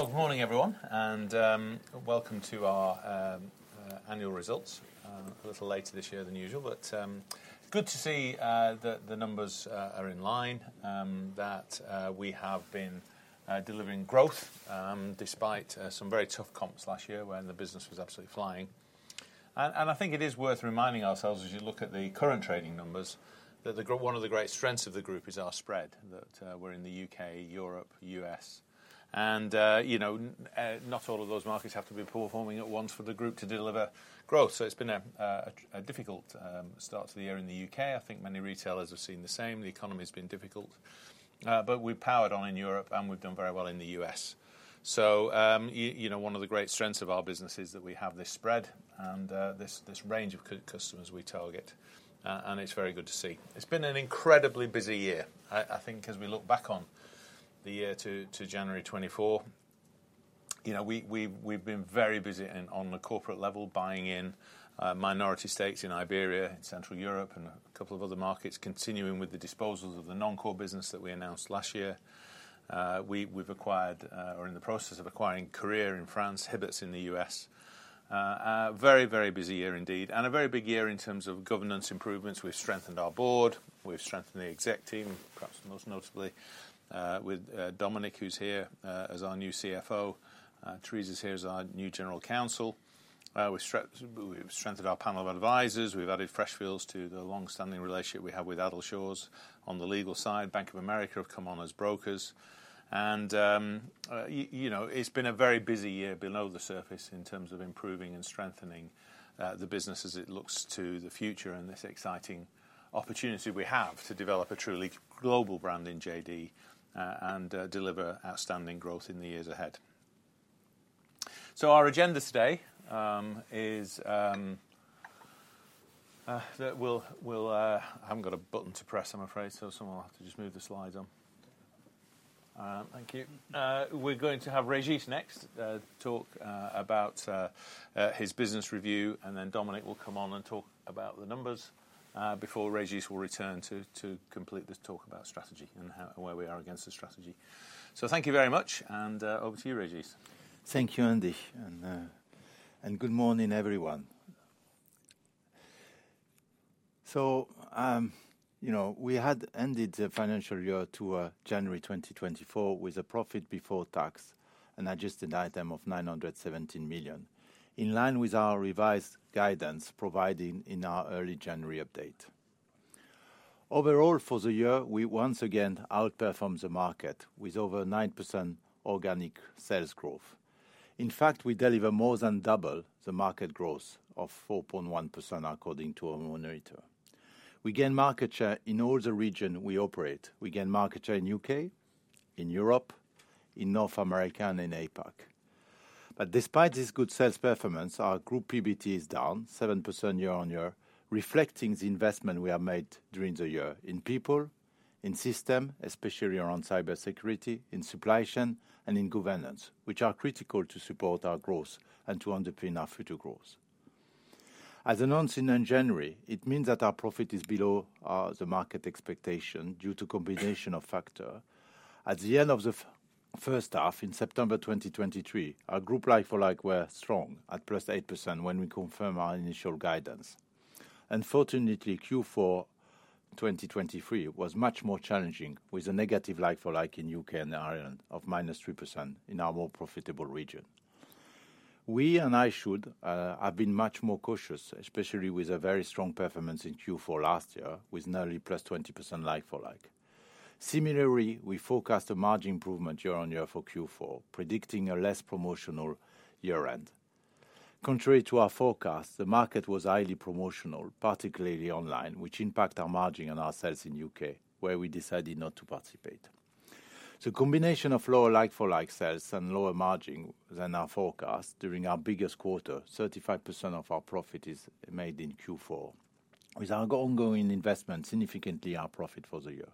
Well, good morning, everyone, and welcome to our annual results. A little later this year than usual, but good to see the numbers are in line that we have been delivering growth despite some very tough comps last year when the business was absolutely flying. And I think it is worth reminding ourselves, as you look at the current trading numbers, that one of the great strengths of the group is our spread, that we're in the UK, Europe, US. And you know not all of those markets have to be performing at once for the group to deliver growth. So it's been a difficult start to the year in the UK. I think many retailers have seen the same. The economy has been difficult, but we've powered on in Europe, and we've done very well in the U.S. So, you know, one of the great strengths of our business is that we have this spread and, this range of customers we target. It's very good to see. It's been an incredibly busy year. I think as we look back on the year to 24 January 2024, you know, we've been very busy and on the corporate level, buying in minority stakes in Iberia and Central Europe, and a couple of other markets, continuing with the disposals of the non-core business that we announced last year. We've acquired or in the process of acquiring Courir in France, Hibbett in the U.S. A very, very busy year indeed, and a very big year in terms of governance improvements. We've strengthened our board, we've strengthened the exec team, perhaps most notably, with Dominic, who's here, as our new CFO. Theresa's here as our new General Counsel. We've strengthened our panel of advisors. We've added Freshfields to the long-standing relationship we have with Addleshaws on the legal side. Bank of America have come on as brokers, and, you know, it's been a very busy year below the surface in terms of improving and strengthening, the business as it looks to the future and this exciting opportunity we have to develop a truly global brand in JD, and deliver outstanding growth in the years ahead. So our agenda today, is, we'll, we'll. I haven't got a button to press, I'm afraid, so someone will have to just move the slides on. Thank you. We're going to have Régis next, talk about his business review, and then Dominic will come on and talk about the numbers, before Régis will return to complete this talk about strategy and how, where we are against the strategy. So thank you very much, and over to you, Régis. Thank you, Andy, and good morning, everyone. So, you know, we had ended the financial year to January 2024, with a profit before tax, an adjusted item of 917 million. In line with our revised guidance provided in our early January update. Overall, for the year, we once again outperformed the market with over 9% organic sales growth. In fact, we deliver more than double the market growth of 4.1%, according to our monitor. We gain market share in all the region we operate. We gain market share in UK, in Europe, in North America, and in APAC. But despite this good sales performance, our group PBT is down 7% year on year, reflecting the investment we have made during the year in people, in system, especially around cybersecurity, in supply chain and in governance, which are critical to support our growth and to underpin our future growth. As announced in January, it means that our profit is below the market expectation due to combination of factors. At the end of the first half in September 2023, our group like-for-like were strong at +8% when we confirmed our initial guidance. Unfortunately, Q4 2023 was much more challenging, with a negative like-for-like in UK and Ireland of -3% in our more profitable region. We, and I should, have been much more cautious, especially with a very strong performance in Q4 last year, with nearly +20% like-for-like. Similarly, we forecast a margin improvement year-on-year for Q4, predicting a less promotional year-end. Contrary to our forecast, the market was highly promotional, particularly online, which impact our margin and our sales in U.K., where we decided not to participate. The combination of lower like-for-like sales and lower margin than our forecast during our biggest quarter, 35% of our profit is made in Q4, with our ongoing investment, significantly our profit for the year.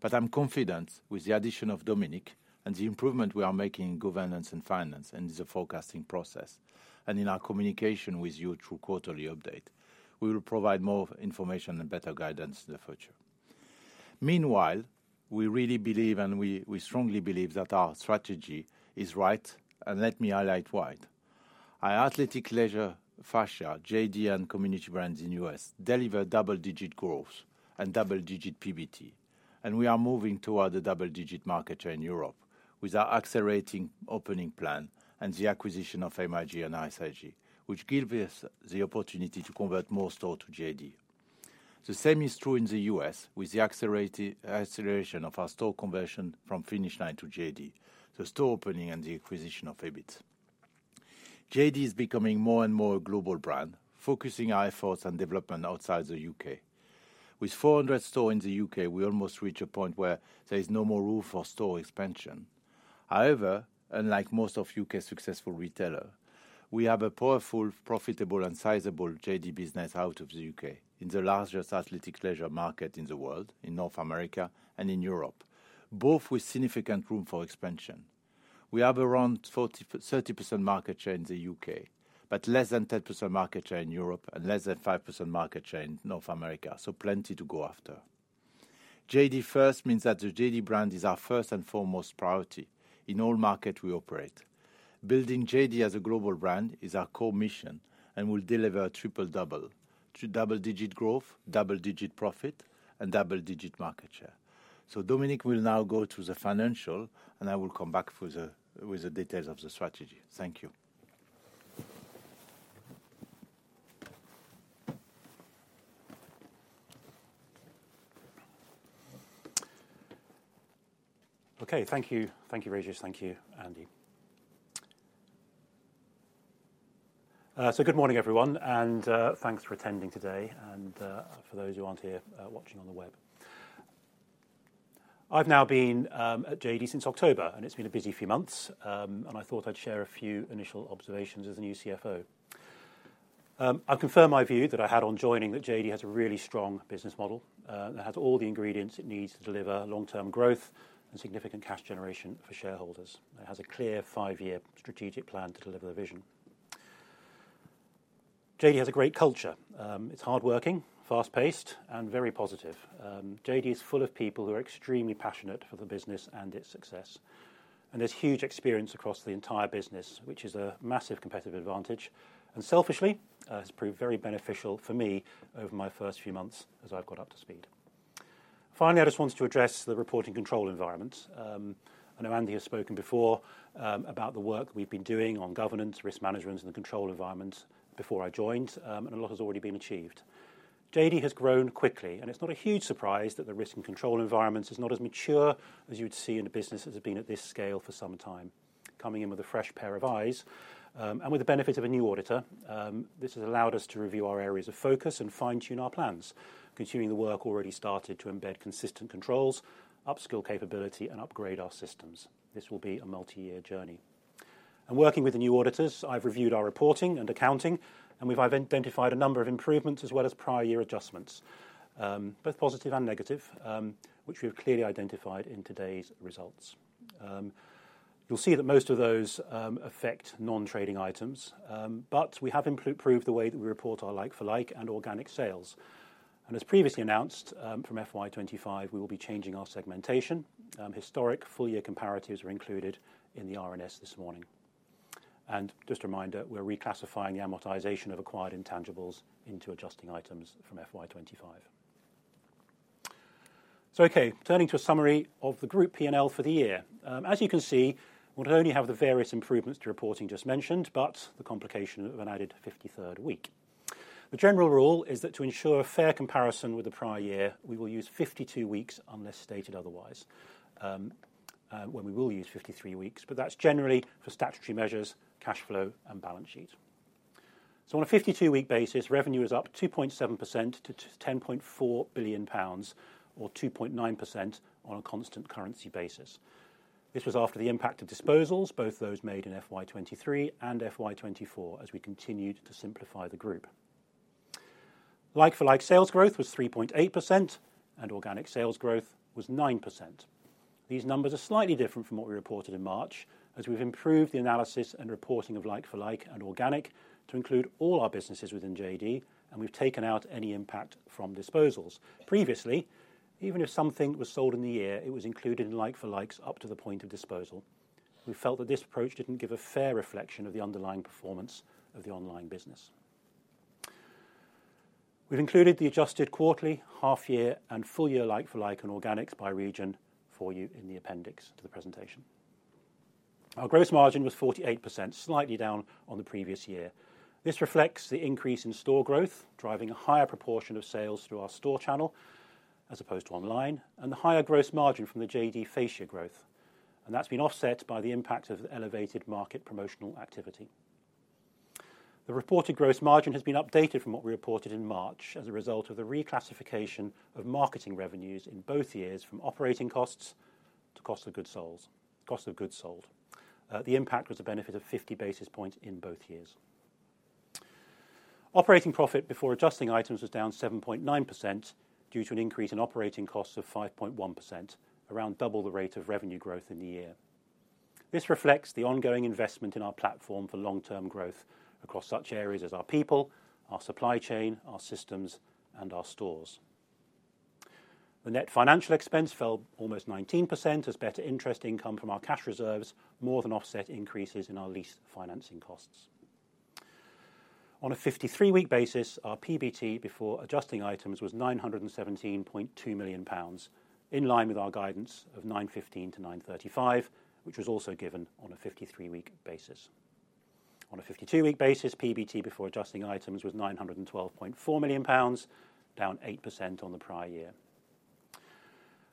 But I'm confident with the addition of Dominic and the improvement we are making in governance and finance and the forecasting process, and in our communication with you through quarterly update, we will provide more information and better guidance in the future. Meanwhile, we really believe and we, we strongly believe that our strategy is right, and let me highlight why. Our Athletic Leisure fascia, JD and Community Brands in the U.S., deliver double-digit growth and double-digit PBT, and we are moving toward a double-digit market share in Europe with our accelerating opening plan and the acquisition of MIG and ISRG, which give us the opportunity to convert more stores to JD. The same is true in the U.S., with the acceleration of our store conversion from Finish Line to JD, the store opening and the acquisition of Hibbett. JD is becoming more and more a global brand, focusing our efforts on development outside the U.K. With 400 stores in the U.K., we almost reach a point where there is no more room for store expansion. However, unlike most of UK's successful retailers, we have a powerful, profitable, and sizable JD business out of the UK, in the largest athletic leisure market in the world, in North America and in Europe, both with significant room for expansion. We have around 40-30% market share in the UK, but less than 10% market share in Europe and less than 5% market share in North America, so plenty to go after. JD first means that the JD brand is our first and foremost priority in all markets we operate. Building JD as a global brand is our core mission, and we'll deliver a Triple Double: double-digit growth, double-digit profit, and double-digit market share. So Dominic will now go through the financials, and I will come back with the details of the strategy. Thank you. Okay. Thank you. Thank you, Régis. Thank you, Andy. So good morning, everyone, and thanks for attending today, and for those who aren't here, watching on the web. I've now been at JD since October, and it's been a busy few months, and I thought I'd share a few initial observations as the new CFO. I confirm my view that I had on joining that JD has a really strong business model that has all the ingredients it needs to deliver long-term growth and significant cash generation for shareholders. It has a clear five-year strategic plan to deliver the vision. JD has a great culture. It's hardworking, fast-paced, and very positive. JD is full of people who are extremely passionate for the business and its success, and there's huge experience across the entire business, which is a massive competitive advantage, and selfishly, it's proved very beneficial for me over my first few months as I've got up to speed. Finally, I just wanted to address the reporting control environment. I know Andy has spoken before, about the work we've been doing on governance, risk management, and the control environment before I joined, and a lot has already been achieved. JD has grown quickly, and it's not a huge surprise that the risk and control environment is not as mature as you would see in a business that has been at this scale for some time. Coming in with a fresh pair of eyes, and with the benefit of a new auditor, this has allowed us to review our areas of focus and fine-tune our plans, continuing the work already started to embed consistent controls, upskill capability, and upgrade our systems. This will be a multi-year journey. Working with the new auditors, I've reviewed our reporting and accounting, and we've identified a number of improvements as well as prior year adjustments, both positive and negative, which we've clearly identified in today's results. You'll see that most of those affect non-trading items, but we have improved the way that we report our like-for-like and organic sales. As previously announced, from FY 25, we will be changing our segmentation. Historic full-year comparatives are included in the RNS this morning. Just a reminder, we're reclassifying the amortization of acquired intangibles into adjusting items from FY 2025. Okay, turning to a summary of the group P&L for the year. As you can see, we not only have the various improvements to reporting just mentioned, but the complication of an added 53rd week. The general rule is that to ensure a fair comparison with the prior year, we will use 52 weeks, unless stated otherwise, when we will use 53 weeks, but that's generally for statutory measures, cash flow, and balance sheet. On a 52-week basis, revenue is up 2.7% to 10.4 billion pounds or 2.9% on a constant currency basis. This was after the impact of disposals, both those made in FY 2023 and FY 2024, as we continued to simplify the group. Like-for-like sales growth was 3.8%, and organic sales growth was 9%. These numbers are slightly different from what we reported in March, as we've improved the analysis and reporting of like-for-like and organic to include all our businesses within JD, and we've taken out any impact from disposals. Previously, even if something was sold in the year, it was included in like for likes up to the point of disposal. We felt that this approach didn't give a fair reflection of the underlying performance of the online business. We've included the adjusted quarterly, half year, and full year like-for-like and organics by region for you in the appendix to the presentation. Our gross margin was 48%, slightly down on the previous year. This reflects the increase in store growth, driving a higher proportion of sales through our store channel as opposed to online, and the higher gross margin from the JD fascia growth, and that's been offset by the impact of elevated market promotional activity. The reported gross margin has been updated from what we reported in March as a result of the reclassification of marketing revenues in both years, from operating costs to cost of goods sold. The impact was a benefit of 50 basis points in both years. Operating profit before adjusting items was down 7.9% due to an increase in operating costs of 5.1%, around double the rate of revenue growth in the year. This reflects the ongoing investment in our platform for long-term growth across such areas as our people, our supply chain, our systems, and our stores. The net financial expense fell almost 19% as better interest income from our cash reserves more than offset increases in our lease financing costs. On a 53-week basis, our PBT before adjusting items was 917.2 million pounds, in line with our guidance of 915-935, which was also given on a 53-week basis. On a 52-week basis, PBT before adjusting items was 912.4 million pounds, down 8% on the prior year.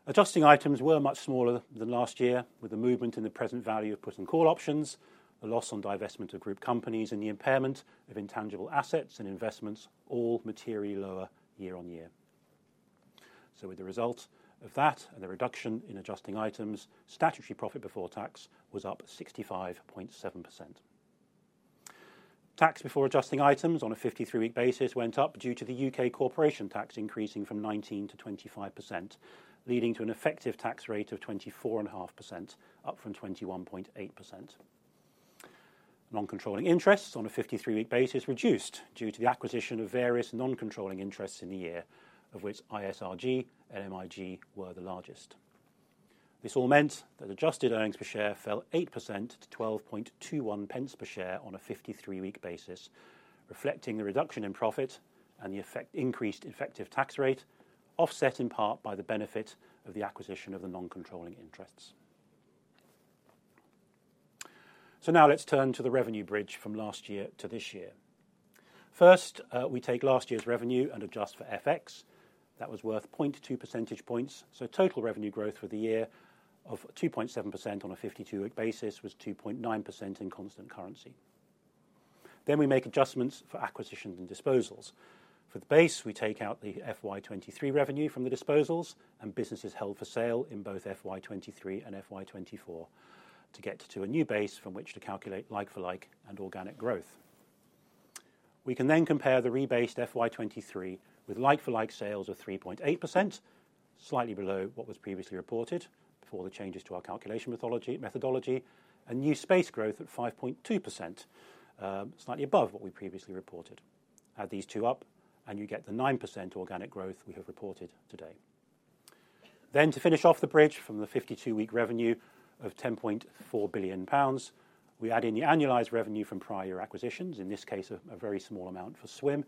Adjusting items were much smaller than last year, with the movement in the present value of put and call options, a loss on divestment of group companies, and the impairment of intangible assets and investments all materially lower year-on-year. So with the result of that and the reduction in adjusting items, statutory profit before tax was up 65.7%. Tax before adjusting items on a fifty-three-week basis went up due to the UK corporation tax increasing from 19%-25%, leading to an effective tax rate of 24.5%, up from 21.8%. Non-controlling interests on a fifty-three-week basis reduced due to the acquisition of various non-controlling interests in the year, of which ISRG and MIG were the largest. This all meant that Adjusted Earnings Per Share fell 8% to 12.21 pence per share on a 53-week basis, reflecting the reduction in profit and the effect increased effective tax rate, offset in part by the benefit of the acquisition of the non-controlling interests. So now let's turn to the revenue bridge from last year to this year. First, we take last year's revenue and adjust for FX. That was worth 0.2 percentage points, so total revenue growth for the year of 2.7% on a 52-week basis was 2.9% in constant currency. Then we make adjustments for acquisitions and disposals. For the base, we take out the FY 2023 revenue from the disposals and businesses held for sale in both FY 2023 and FY 2024 to get to a new base from which to calculate like-for-like and organic growth. We can then compare the rebased FY 2023 with like-for-like sales of 3.8%, slightly below what was previously reported before the changes to our calculation methodology, and new space growth at 5.2%, slightly above what we previously reported. Add these two up and you get the 9% organic growth we have reported today. Then, to finish off the bridge from the 52-week revenue of 10.4 billion pounds, we add in the annualized revenue from prior acquisitions, in this case, a very small amount for Swim,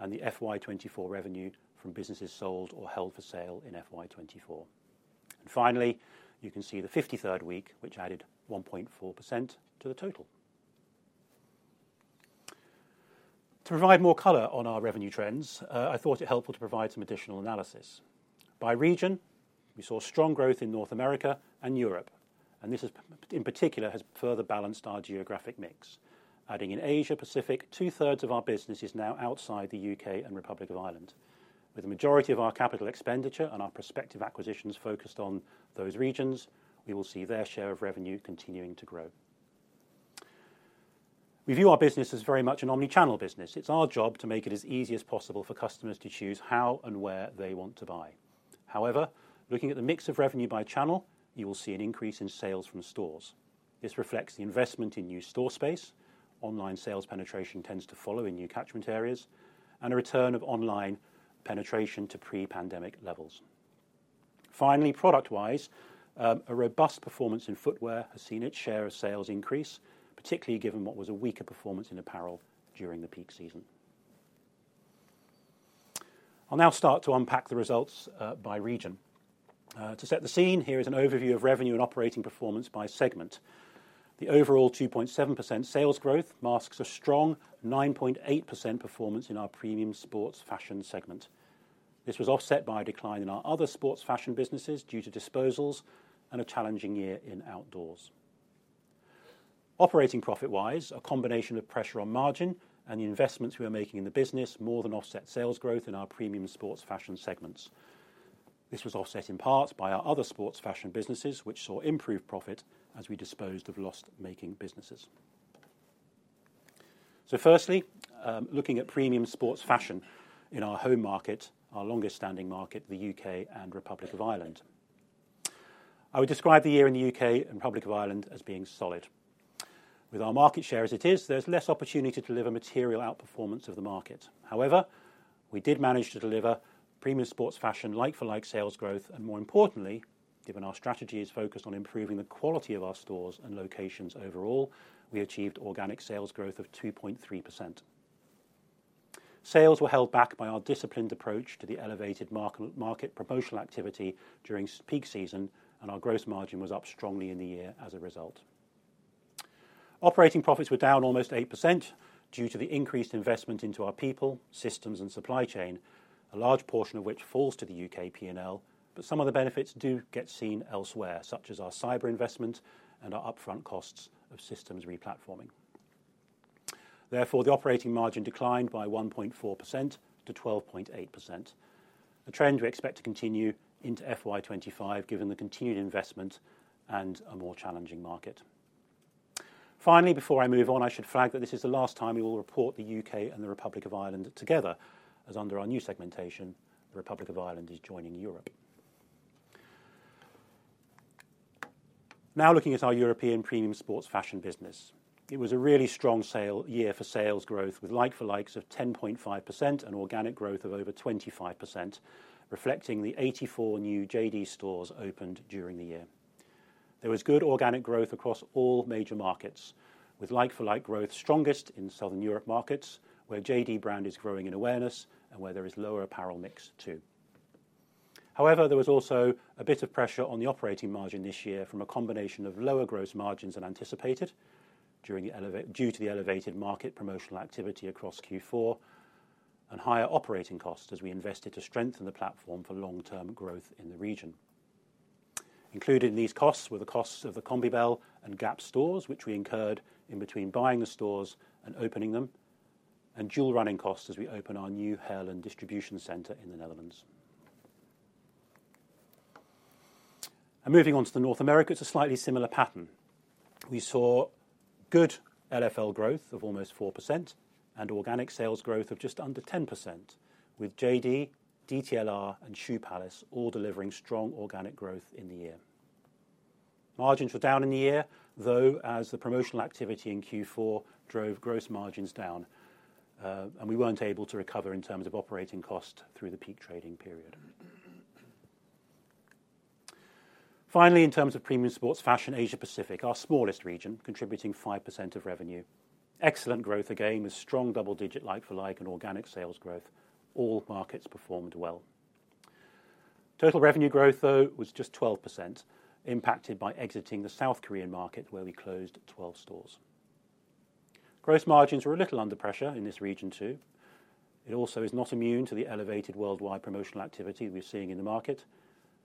and the FY 2024 revenue from businesses sold or held for sale in FY 2024. And finally, you can see the 53rd week, which added 1.4% to the total. To provide more color on our revenue trends, I thought it helpful to provide some additional analysis. By region, we saw strong growth in North America and Europe, and this has, in particular, further balanced our geographic mix. Adding in Asia Pacific, two-thirds of our business is now outside the UK and Republic of Ireland. With the majority of our capital expenditure and our prospective acquisitions focused on those regions, we will see their share of revenue continuing to grow. We view our business as very much an omni-channel business. It's our job to make it as easy as possible for customers to choose how and where they want to buy. However, looking at the mix of revenue by channel, you will see an increase in sales from stores. This reflects the investment in new store space. Online sales penetration tends to follow in new catchment areas and a return of online penetration to pre-pandemic levels. Finally, product-wise, a robust performance in footwear has seen its share of sales increase, particularly given what was a weaker performance in apparel during the peak season. I'll now start to unpack the results, by region. To set the scene, here is an overview of revenue and operating performance by segment. The overall 2.7% sales growth masks a strong 9.8% performance in our premium sports fashion segment. This was offset by a decline in our other sports fashion businesses due to disposals and a challenging year in outdoors. Operating profit-wise, a combination of pressure on margin and the investments we are making in the business more than offset sales growth in our premium sports fashion segments. This was offset in part by our other sports fashion businesses, which saw improved profit as we disposed of loss-making businesses. So firstly, looking at premium sports fashion in our home market, our longest-standing market, the U.K. and Republic of Ireland. I would describe the year in the U.K. and Republic of Ireland as being solid. With our market share as it is, there's less opportunity to deliver material outperformance of the market. However, we did manage to deliver premium sports fashion like-for-like sales growth, and more importantly, given our strategy is focused on improving the quality of our stores and locations overall, we achieved organic sales growth of 2.3%. Sales were held back by our disciplined approach to the elevated market, market promotional activity during peak season, and our gross margin was up strongly in the year as a result. Operating profits were down almost 8% due to the increased investment into our people, systems, and supply chain, a large portion of which falls to the UK P&L, but some of the benefits do get seen elsewhere, such as our cyber investment and our upfront costs of systems replatforming. Therefore, the operating margin declined by 1.4% to 12.8%, a trend we expect to continue into FY 2025, given the continued investment and a more challenging market. Finally, before I move on, I should flag that this is the last time we will report the UK and the Republic of Ireland together, as under our new segmentation, the Republic of Ireland is joining Europe. Now, looking at our European premium sports fashion business. It was a really strong year for sales growth, with like for likes of 10.5% and organic growth of over 25%, reflecting the 84 new JD stores opened during the year. There was good organic growth across all major markets, with like-for-like growth strongest in Southern Europe markets, where JD brand is growing in awareness and where there is lower apparel mix, too. However, there was also a bit of pressure on the operating margin this year from a combination of lower gross margins than anticipated during the elevated due to the elevated market promotional activity across Q4 and higher operating costs as we invested to strengthen the platform for long-term growth in the region. Included in these costs were the costs of the Conbipel and GAP stores, which we incurred in between buying the stores and opening them, and dual running costs as we open our new Heerlen distribution center in the Netherlands. Moving on to North America, it's a slightly similar pattern. We saw good LFL growth of almost 4% and organic sales growth of just under 10%, with JD, DTLR, and Shoe Palace all delivering strong organic growth in the year. Margins were down in the year, though, as the promotional activity in Q4 drove gross margins down, and we weren't able to recover in terms of operating cost through the peak trading period. Finally, in terms of premium sports fashion, Asia-Pacific, our smallest region, contributing 5% of revenue. Excellent growth, again, with strong double-digit like-for-like and organic sales growth. All markets performed well. Total revenue growth, though, was just 12%, impacted by exiting the South Korean market, where we closed 12 stores. Gross margins were a little under pressure in this region, too. It also is not immune to the elevated worldwide promotional activity we're seeing in the market,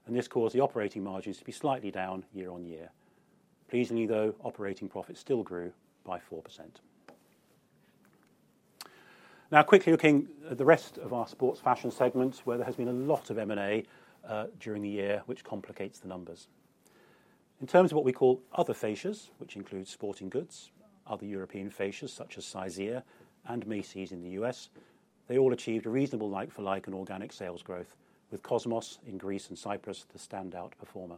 and this caused the operating margins to be slightly down year on year. Pleasingly, though, operating profit still grew by 4%. Now, quickly looking at the rest of our sports fashion segment, where there has been a lot of M&A, during the year, which complicates the numbers. In terms of what we call other fascias, which includes sporting goods, other European fascias such as Size? and Macy's in the U.S., they all achieved a reasonable like-for-like and organic sales growth, with Cosmos in Greece and Cyprus the standout performer.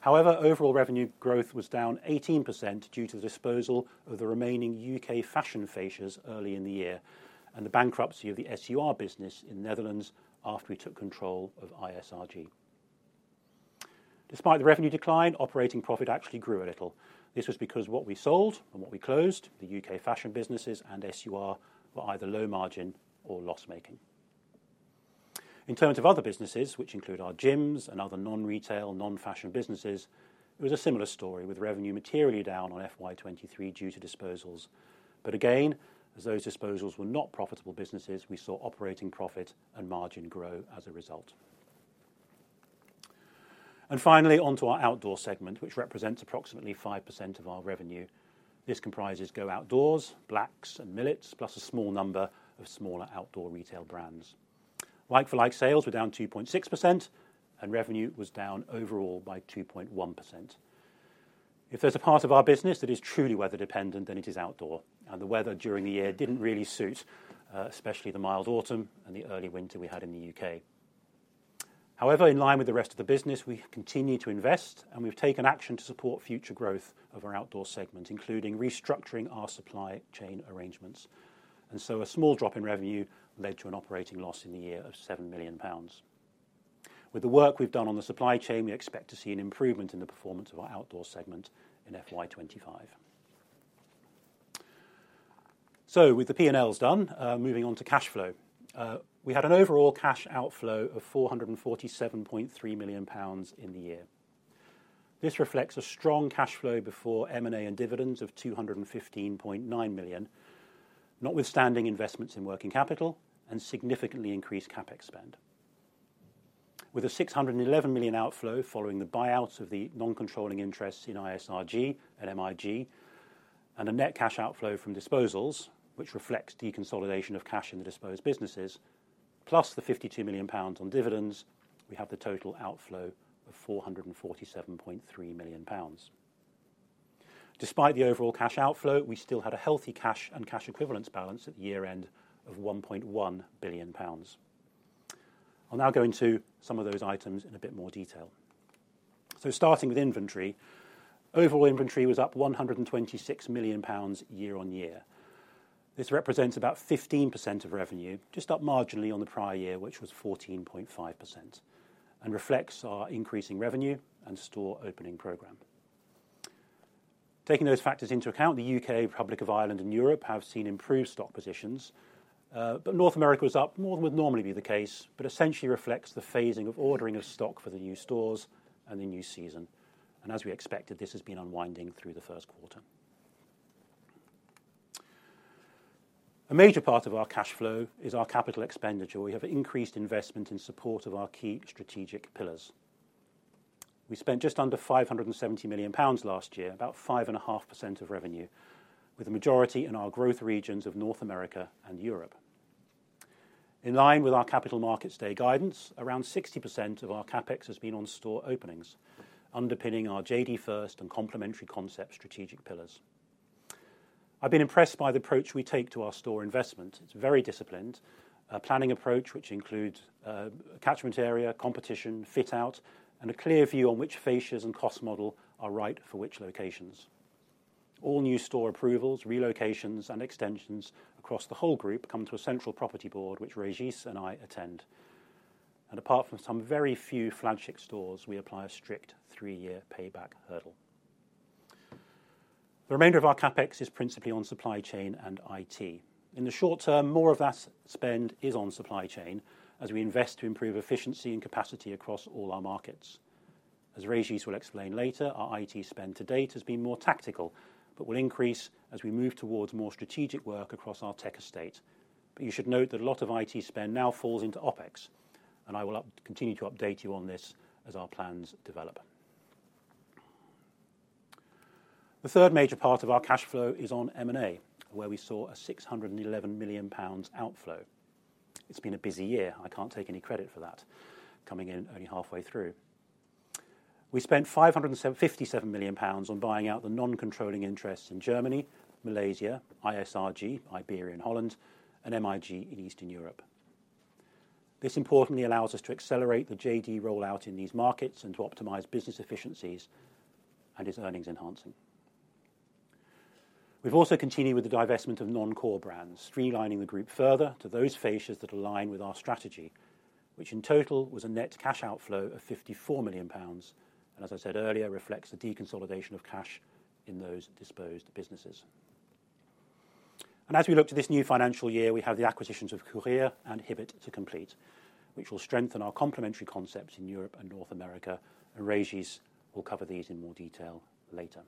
However, overall revenue growth was down 18% due to the disposal of the remaining U.K. fashion fascias early in the year and the bankruptcy of the SUR business in Netherlands after we took control of ISRG. Despite the revenue decline, operating profit actually grew a little. This was because what we sold and what we closed, the U.K. fashion businesses and SUR, were either low margin or loss-making. In terms of other businesses, which include our gyms and other non-retail, non-fashion businesses, it was a similar story, with revenue materially down on FY 2023 due to disposals. But again, as those disposals were not profitable businesses, we saw operating profit and margin grow as a result. And finally, on to our outdoor segment, which represents approximately 5% of our revenue. This comprises GO Outdoors, Blacks and Millets, plus a small number of smaller outdoor retail brands. Like-for-like sales were down 2.6%, and revenue was down overall by 2.1%. If there's a part of our business that is truly weather dependent, then it is outdoor, and the weather during the year didn't really suit, especially the mild autumn and the early winter we had in the UK. However, in line with the rest of the business, we continue to invest, and we've taken action to support future growth of our outdoor segment, including restructuring our supply chain arrangements. So a small drop in revenue led to an operating loss in the year of 7 million pounds. With the work we've done on the supply chain, we expect to see an improvement in the performance of our outdoor segment in FY 2025. So with the P&Ls done, moving on to cash flow. We had an overall cash outflow of 447.3 million pounds in the year. This reflects a strong cash flow before M&A and dividends of 215.9 million, notwithstanding investments in working capital and significantly increased CapEx spend. With a 611 million outflow following the buyouts of the non-controlling interests in ISRG and MIG, and a net cash outflow from disposals, which reflects deconsolidation of cash in the disposed businesses, plus the 52 million pounds on dividends, we have the total outflow of 447.3 million pounds. Despite the overall cash outflow, we still had a healthy cash and cash equivalents balance at year-end of GBP 1.1 billion. I'll now go into some of those items in a bit more detail. So starting with inventory, overall inventory was up 126 million pounds year-on-year. This represents about 15% of revenue, just up marginally on the prior year, which was 14.5%, and reflects our increasing revenue and store opening program. Taking those factors into account, the UK, Republic of Ireland, and Europe have seen improved stock positions, but North America is up more than would normally be the case, but essentially reflects the phasing of ordering of stock for the new stores and the new season. As we expected, this has been unwinding through the first quarter. A major part of our cash flow is our capital expenditure. We have increased investment in support of our key strategic pillars. We spent just under 570 million pounds last year, about 5.5% of revenue, with the majority in our growth regions of North America and Europe. In line with our Capital Markets Day guidance, around 60% of our CapEx has been on store openings, underpinning our JD first and complementary concept strategic pillars. I've been impressed by the approach we take to our store investment. It's very disciplined, a planning approach which includes, catchment area, competition, fit out, and a clear view on which fascias and cost model are right for which locations. All new store approvals, relocations, and extensions across the whole group come to a central property board, which Régis and I attend. Apart from some very few flagship stores, we apply a strict three-year payback hurdle. The remainder of our CapEx is principally on supply chain and IT. In the short term, more of that spend is on supply chain as we invest to improve efficiency and capacity across all our markets. As Régis will explain later, our IT spend to date has been more tactical, but will increase as we move towards more strategic work across our tech estate. But you should note that a lot of IT spend now falls into OpEx, and I will continue to update you on this as our plans develop. The third major part of our cash flow is on M&A, where we saw a 611 million pounds outflow. It's been a busy year. I can't take any credit for that coming in only halfway through. We spent 557 million pounds on buying out the non-controlling interests in Germany, Malaysia, ISRG, Iberia, and Holland, and MIG in Eastern Europe. This importantly allows us to accelerate the JD rollout in these markets and to optimize business efficiencies, and is earnings enhancing. We've also continued with the divestment of non-core brands, streamlining the group further to those fascias that align with our strategy, which in total was a net cash outflow of 54 million pounds, and as I said earlier, reflects the deconsolidation of cash in those disposed businesses. As we look to this new financial year, we have the acquisitions of Courir and Hibbett to complete, which will strengthen our complementary concepts in Europe and North America, and Régis will cover these in more detail later.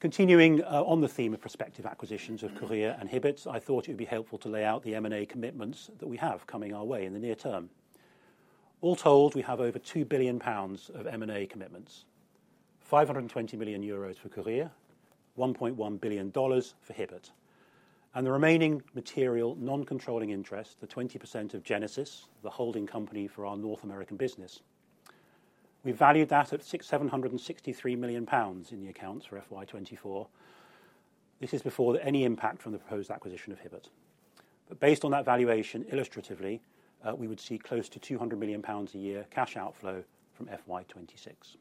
Continuing on the theme of prospective acquisitions of Courir and Hibbett, I thought it would be helpful to lay out the M&A commitments that we have coming our way in the near term. All told, we have over 2 billion pounds of M&A commitments: 520 million euros for Courir, GBP 1.1 billion for Hibbett. The remaining material, non-controlling interest, the 20% of Genesis, the holding company for our North American business. We valued that at 763 million pounds in the accounts for FY 2024. This is before any impact from the proposed acquisition of Hibbett. But based on that valuation, illustratively, we would see close to 200 million pounds a year cash outflow from FY 2026.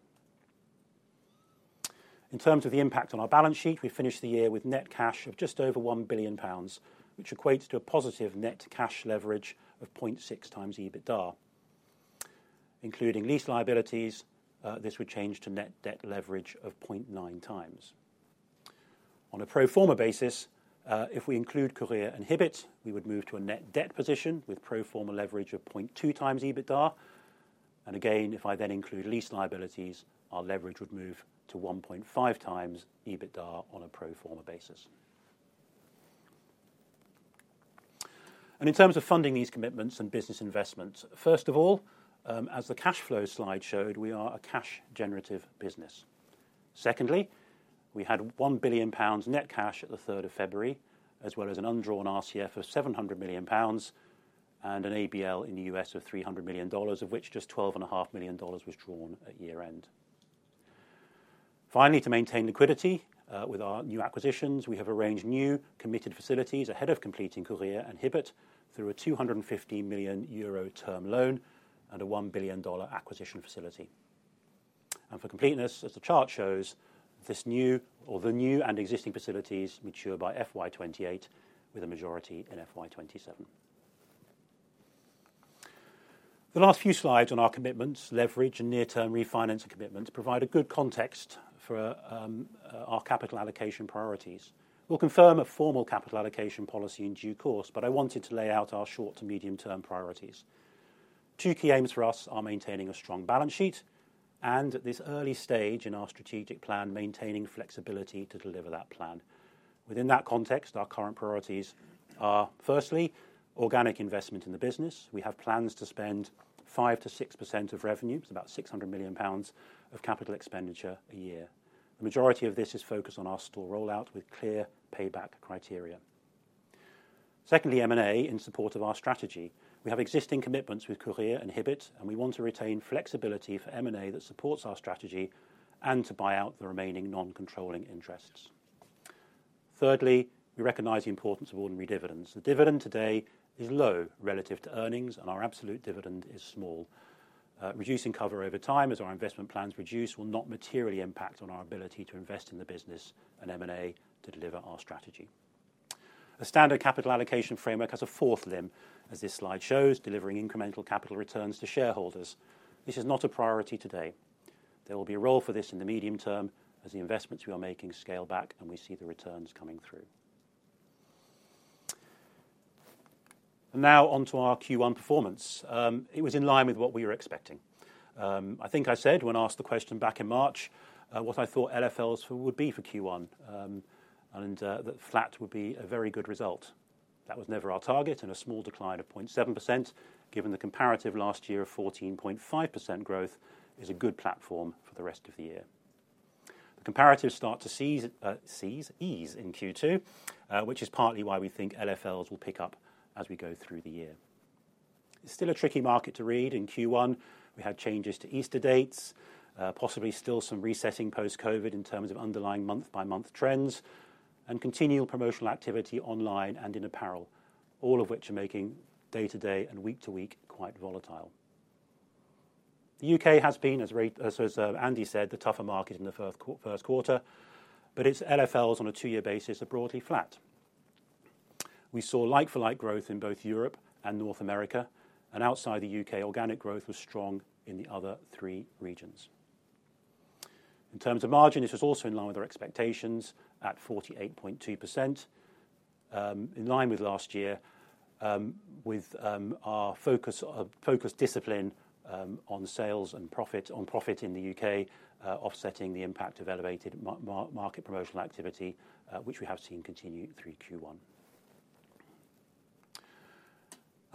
In terms of the impact on our balance sheet, we finished the year with net cash of just over 1 billion pounds, which equates to a positive net cash leverage of 0.6x EBITDA. Including lease liabilities, this would change to net debt leverage of 0.9x. On a pro forma basis, if we include Courir and Hibbett, we would move to a net debt position with pro forma leverage of 0.2x EBITDA. And again, if I then include lease liabilities, our leverage would move to 1.5 times EBITDA on a pro forma basis. In terms of funding these commitments and business investments, first of all, as the cash flow slide showed, we are a cash-generative business. Secondly, we had 1 billion pounds net cash at the third of February, as well as an undrawn RCF of 700 million pounds and an ABL in the U.S. of $300 million, of which just $12.5 million was drawn at year-end. Finally, to maintain liquidity, with our new acquisitions, we have arranged new committed facilities ahead of completing Courir and Hibbett through a 250 million euro term loan and a GBP 1 billion acquisition facility. For completeness, as the chart shows, this new or the new and existing facilities mature by FY 2028, with a majority in FY 2027. The last few slides on our commitments, leverage and near-term refinancing commitments provide a good context for our capital allocation priorities. We'll confirm a formal capital allocation policy in due course, but I wanted to lay out our short to medium-term priorities. Two key aims for us are maintaining a strong balance sheet and, at this early stage in our strategic plan, maintaining flexibility to deliver that plan. Within that context, our current priorities are firstly, organic investment in the business. We have plans to spend 5%-6% of revenue, about 600 million pounds of capital expenditure a year. The majority of this is focused on our store rollout with clear payback criteria. Secondly, M&A in support of our strategy. We have existing commitments with Courir and Hibbett, and we want to retain flexibility for M&A that supports our strategy and to buy out the remaining non-controlling interests. Thirdly, we recognize the importance of ordinary dividends. The dividend today is low relative to earnings, and our absolute dividend is small. Reducing cover over time as our investment plans reduce, will not materially impact on our ability to invest in the business and M&A to deliver our strategy. A standard capital allocation framework has a fourth limb, as this slide shows, delivering incremental capital returns to shareholders. This is not a priority today. There will be a role for this in the medium term as the investments we are making scale back and we see the returns coming through. And now on to our Q1 performance. It was in line with what we were expecting. I think I said when asked the question back in March, what I thought LFLs would be for Q1, and that flat would be a very good result. That was never our target, and a small decline of 0.7%, given the comparative last year of 14.5% growth, is a good platform for the rest of the year. The comparatives start to ease in Q2, which is partly why we think LFLs will pick up as we go through the year. It's still a tricky market to read in Q1. We had changes to Easter dates, possibly still some resetting post-COVID in terms of underlying month-by-month trends, and continual promotional activity online and in apparel, all of which are making day to day and week to week quite volatile. The UK has been, as Andy said, the tougher market in the first quarter, but its LFLs on a two-year basis are broadly flat. We saw like-for-like growth in both Europe and North America, and outside the UK, organic growth was strong in the other three regions. In terms of margin, it was also in line with our expectations at 48.2%, in line with last year, with our focus discipline on sales and profit, on profit in the UK, offsetting the impact of elevated market promotional activity, which we have seen continue through Q1.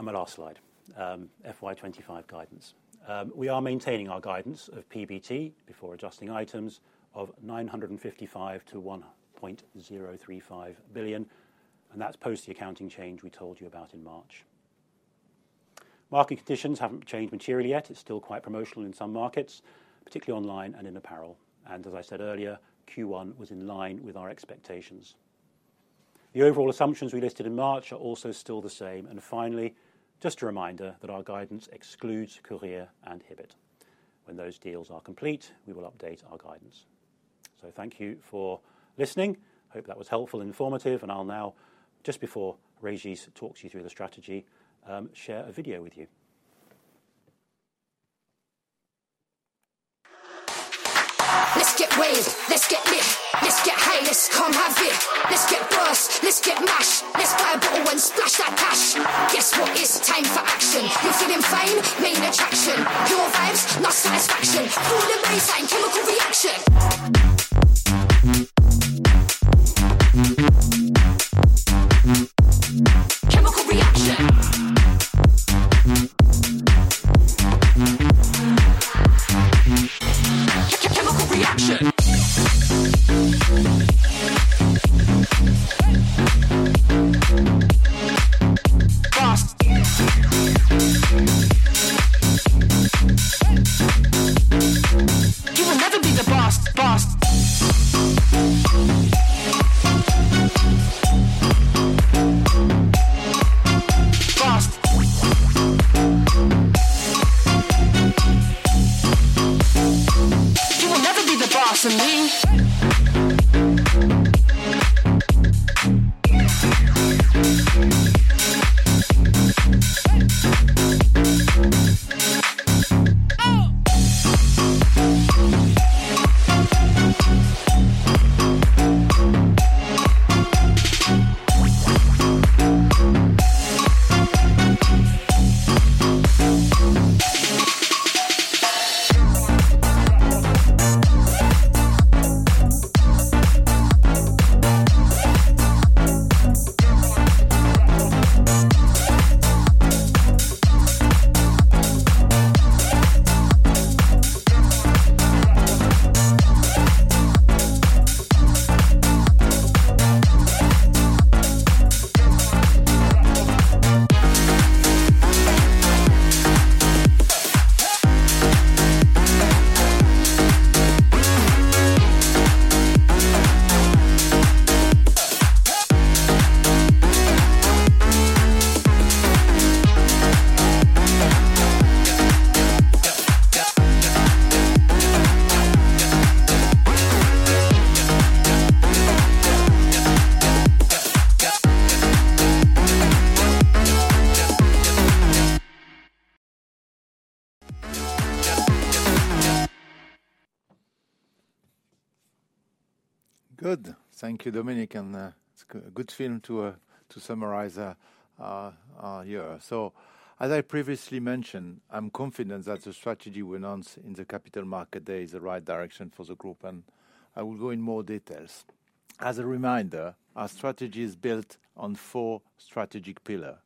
My last slide, FY 2025 guidance. We are maintaining our guidance of PBT before adjusting items of 955 million-1.035 billion, and that's post the accounting change we told you about in March. Market conditions haven't changed materially yet. It's still quite promotional in some markets, particularly online and in apparel. And as I said earlier, Q1 was in line with our expectations. The overall assumptions we listed in March are also still the same. And finally, just a reminder that our guidance excludes Courir and Hibbett. When those deals are complete, we will update our guidance. So thank you for listening. I hope that was helpful and informative, and I'll now, just before Régis talks you through the strategy, share a video with you. Let's get waved. Let's get lit. Let's get high. Let's come have it. Let's get burst. Let's get mashed. Let's buy a bottle and splash that cash. Guess what? It's time for action. We're feeling fine, main attraction. Pure vibes, not satisfaction. Pull the baseline, chemical reaction. Chemical reaction. Ch-ch-chemical reaction. Boss. You will never be the boss, boss. Boss. You will never be the boss of me. Oh! Good. Thank you, Dominic, and it's a good film to summarize our year. So, as I previously mentioned, I'm confident that the strategy we announced in the Capital Markets Day is the right direction for the group, and I will go in more details. As a reminder, our strategy is built on four strategic pillar,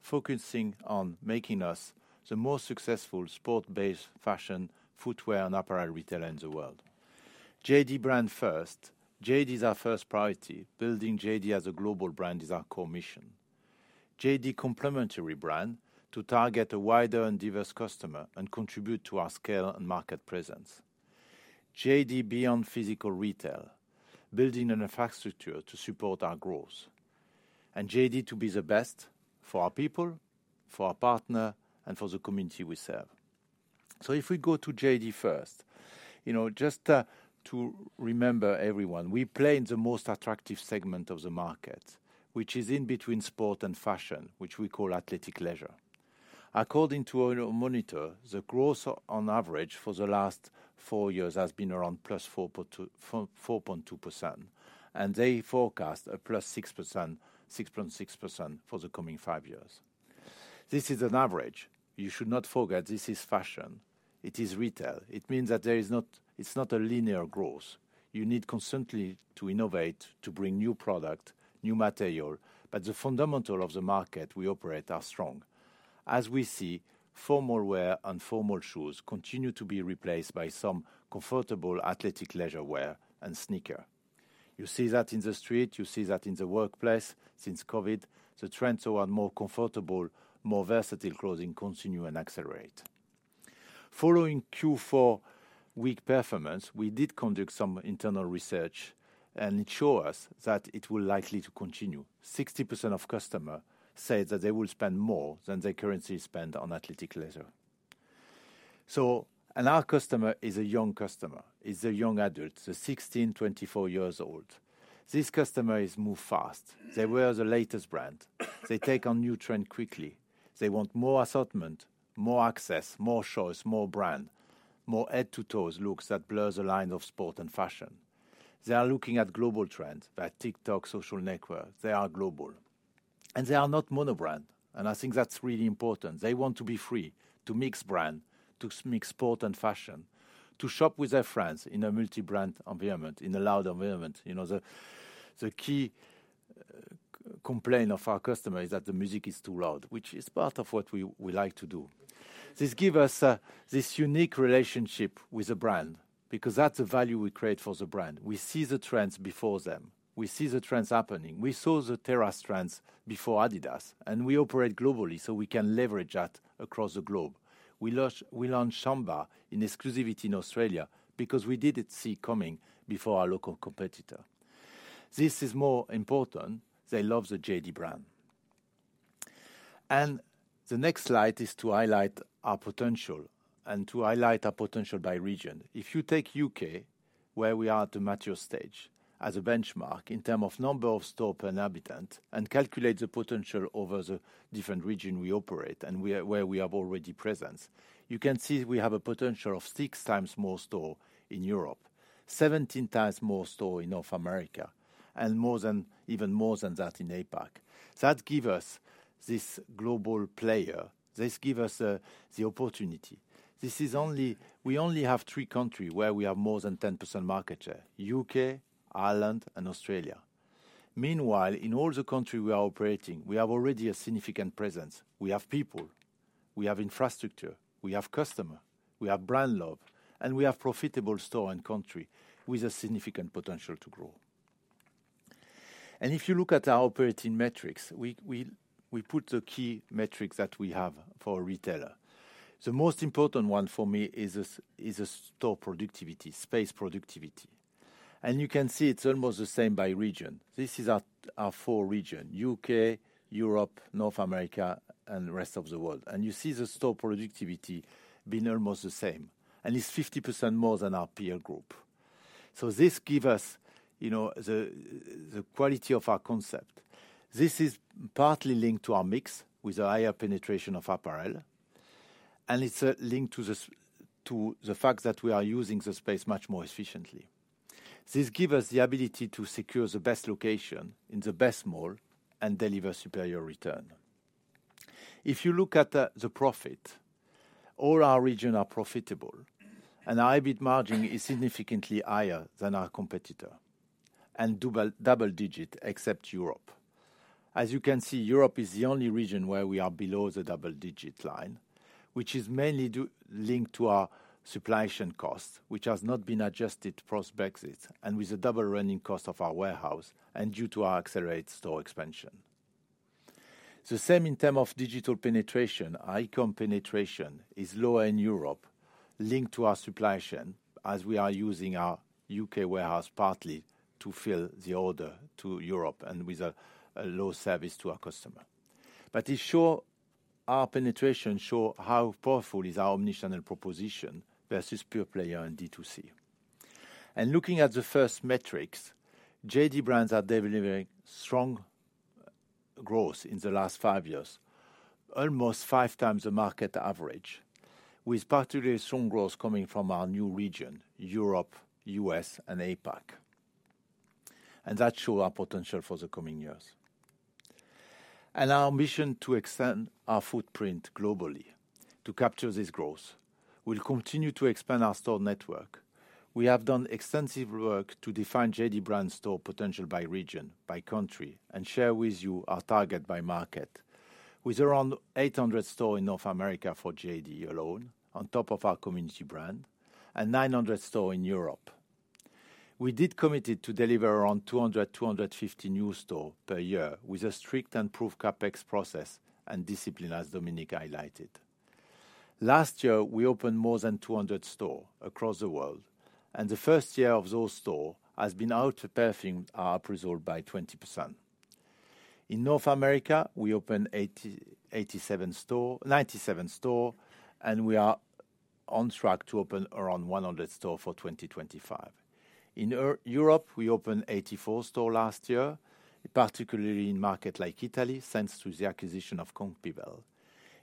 focusing on making us the most successful sport-based fashion, footwear and apparel retailer in the world. JD brand first. JD is our first priority. Building JD as a global brand is our core mission. JD complementary brand, to target a wider and diverse customer and contribute to our scale and market presence. JD beyond physical retail, building an infrastructure to support our growth. And JD to be the best for our people, for our partner, and for the community we serve. So if we go to JD first, you know, just to remember everyone, we play in the most attractive segment of the market, which is in between sport and fashion, which we call athletic leisure. According to our monitor, the growth on average for the last four years has been around +4.2%, and they forecast a +6.6% for the coming five years. This is an average. You should not forget, this is fashion, it is retail. It means that there is not, it's not a linear growth. You need constantly to innovate, to bring new product, new material, but the fundamental of the market we operate are strong. As we see, formal wear and formal shoes continue to be replaced by some comfortable athletic leisure wear and sneaker. You see that in the street, you see that in the workplace. Since COVID, the trends toward more comfortable, more versatile clothing continue and accelerate. Following Q4 weak performance, we did conduct some internal research, and it show us that it will likely to continue. 60% of customer said that they will spend more than they currently spend on athletic leisure. So... Our customer is a young customer, is a young adult, so 16, 24 years old. These customers move fast. They wear the latest brand. They take on new trend quickly. They want more assortment, more access, more choice, more brand, more head-to-toes looks that blur the line of sport and fashion. They are looking at global trends, via TikTok, social network. They are global, and they are not mono brand, and I think that's really important. They want to be free to mix brand, to mix sport and fashion, to shop with their friends in a multi-brand environment, in a loud environment. You know, the key complaint of our customer is that the music is too loud, which is part of what we like to do... This gives us this unique relationship with the brand, because that's the value we create for the brand. We see the trends before them. We see the trends happening. We saw the terrace trends before Adidas, and we operate globally, so we can leverage that across the globe. We launch, we launched Shamba in exclusivity in Australia because we did see it coming before our local competitor. This is more important, they love the JD brand. And the next slide is to highlight our potential and to highlight our potential by region. If you take UK, where we are at the mature stage, as a benchmark in terms of number of stores per inhHibbettant, and calculate the potential over the different regions we operate, where we have already presence, you can see we have a potential of 6 times more stores in Europe, 17 times more stores in North America, and more than, even more than that in APAC. That give us this global player. This give us the opportunity. This is only. We only have 3 countries where we have more than 10% market share: UK, Ireland, and Australia. Meanwhile, in all the countries we are operating, we have already a significant presence. We have people, we have infrastructure, we have customer, we have brand love, and we have profitable stores and countries with a significant potential to grow. And if you look at our operating metrics, we put the key metrics that we have for a retailer. The most important one for me is the store productivity, space productivity. And you can see it's almost the same by region. This is our four region: UK, Europe, North America, and the rest of the world. And you see the store productivity being almost the same, and it's 50% more than our peer group. So this give us, you know, the quality of our concept. This is partly linked to our mix with a higher penetration of apparel, and it's linked to the fact that we are using the space much more efficiently. This give us the ability to secure the best location in the best mall and deliver superior return. If you look at the profit, all our region are profitable, and our EBIT margin is significantly higher than our competitor, and double-digit, except Europe. As you can see, Europe is the only region where we are below the double-digit line, which is mainly linked to our supply chain costs, which has not been adjusted post-Brexit, and with the double running cost of our warehouse, and due to our accelerated store expansion. The same in term of digital penetration, e-com penetration is lower in Europe, linked to our supply chain, as we are using our UK warehouse partly to fill the order to Europe and with a low service to our customer. But our penetration show how powerful is our omni-channel proposition versus pure player and D2C. Looking at the first metrics, JD brands are delivering strong growth in the last 5 years, almost 5 times the market average, with particularly strong growth coming from our new region, Europe, US, and APAC. That show our potential for the coming years. Our mission to extend our footprint globally to capture this growth, we'll continue to expand our store network. We have done extensive work to define JD brand store potential by region, by country, and share with you our target by market, with around 800 stores in North America for JD alone, on top of our community brand, and 900 stores in Europe. We did commit it to deliver around 200-250 new stores per year, with a strict and proven CapEx process and discipline, as Dominic highlighted. Last year, we opened more than 200 stores across the world, and the first year of those stores has been outperforming our result by 20%. In North America, we opened 87 stores, 97 stores, and we are on track to open around 100 stores for 2025. In Europe, we opened 84 stores last year, particularly in markets like Italy, thanks to the acquisition of Conbipel.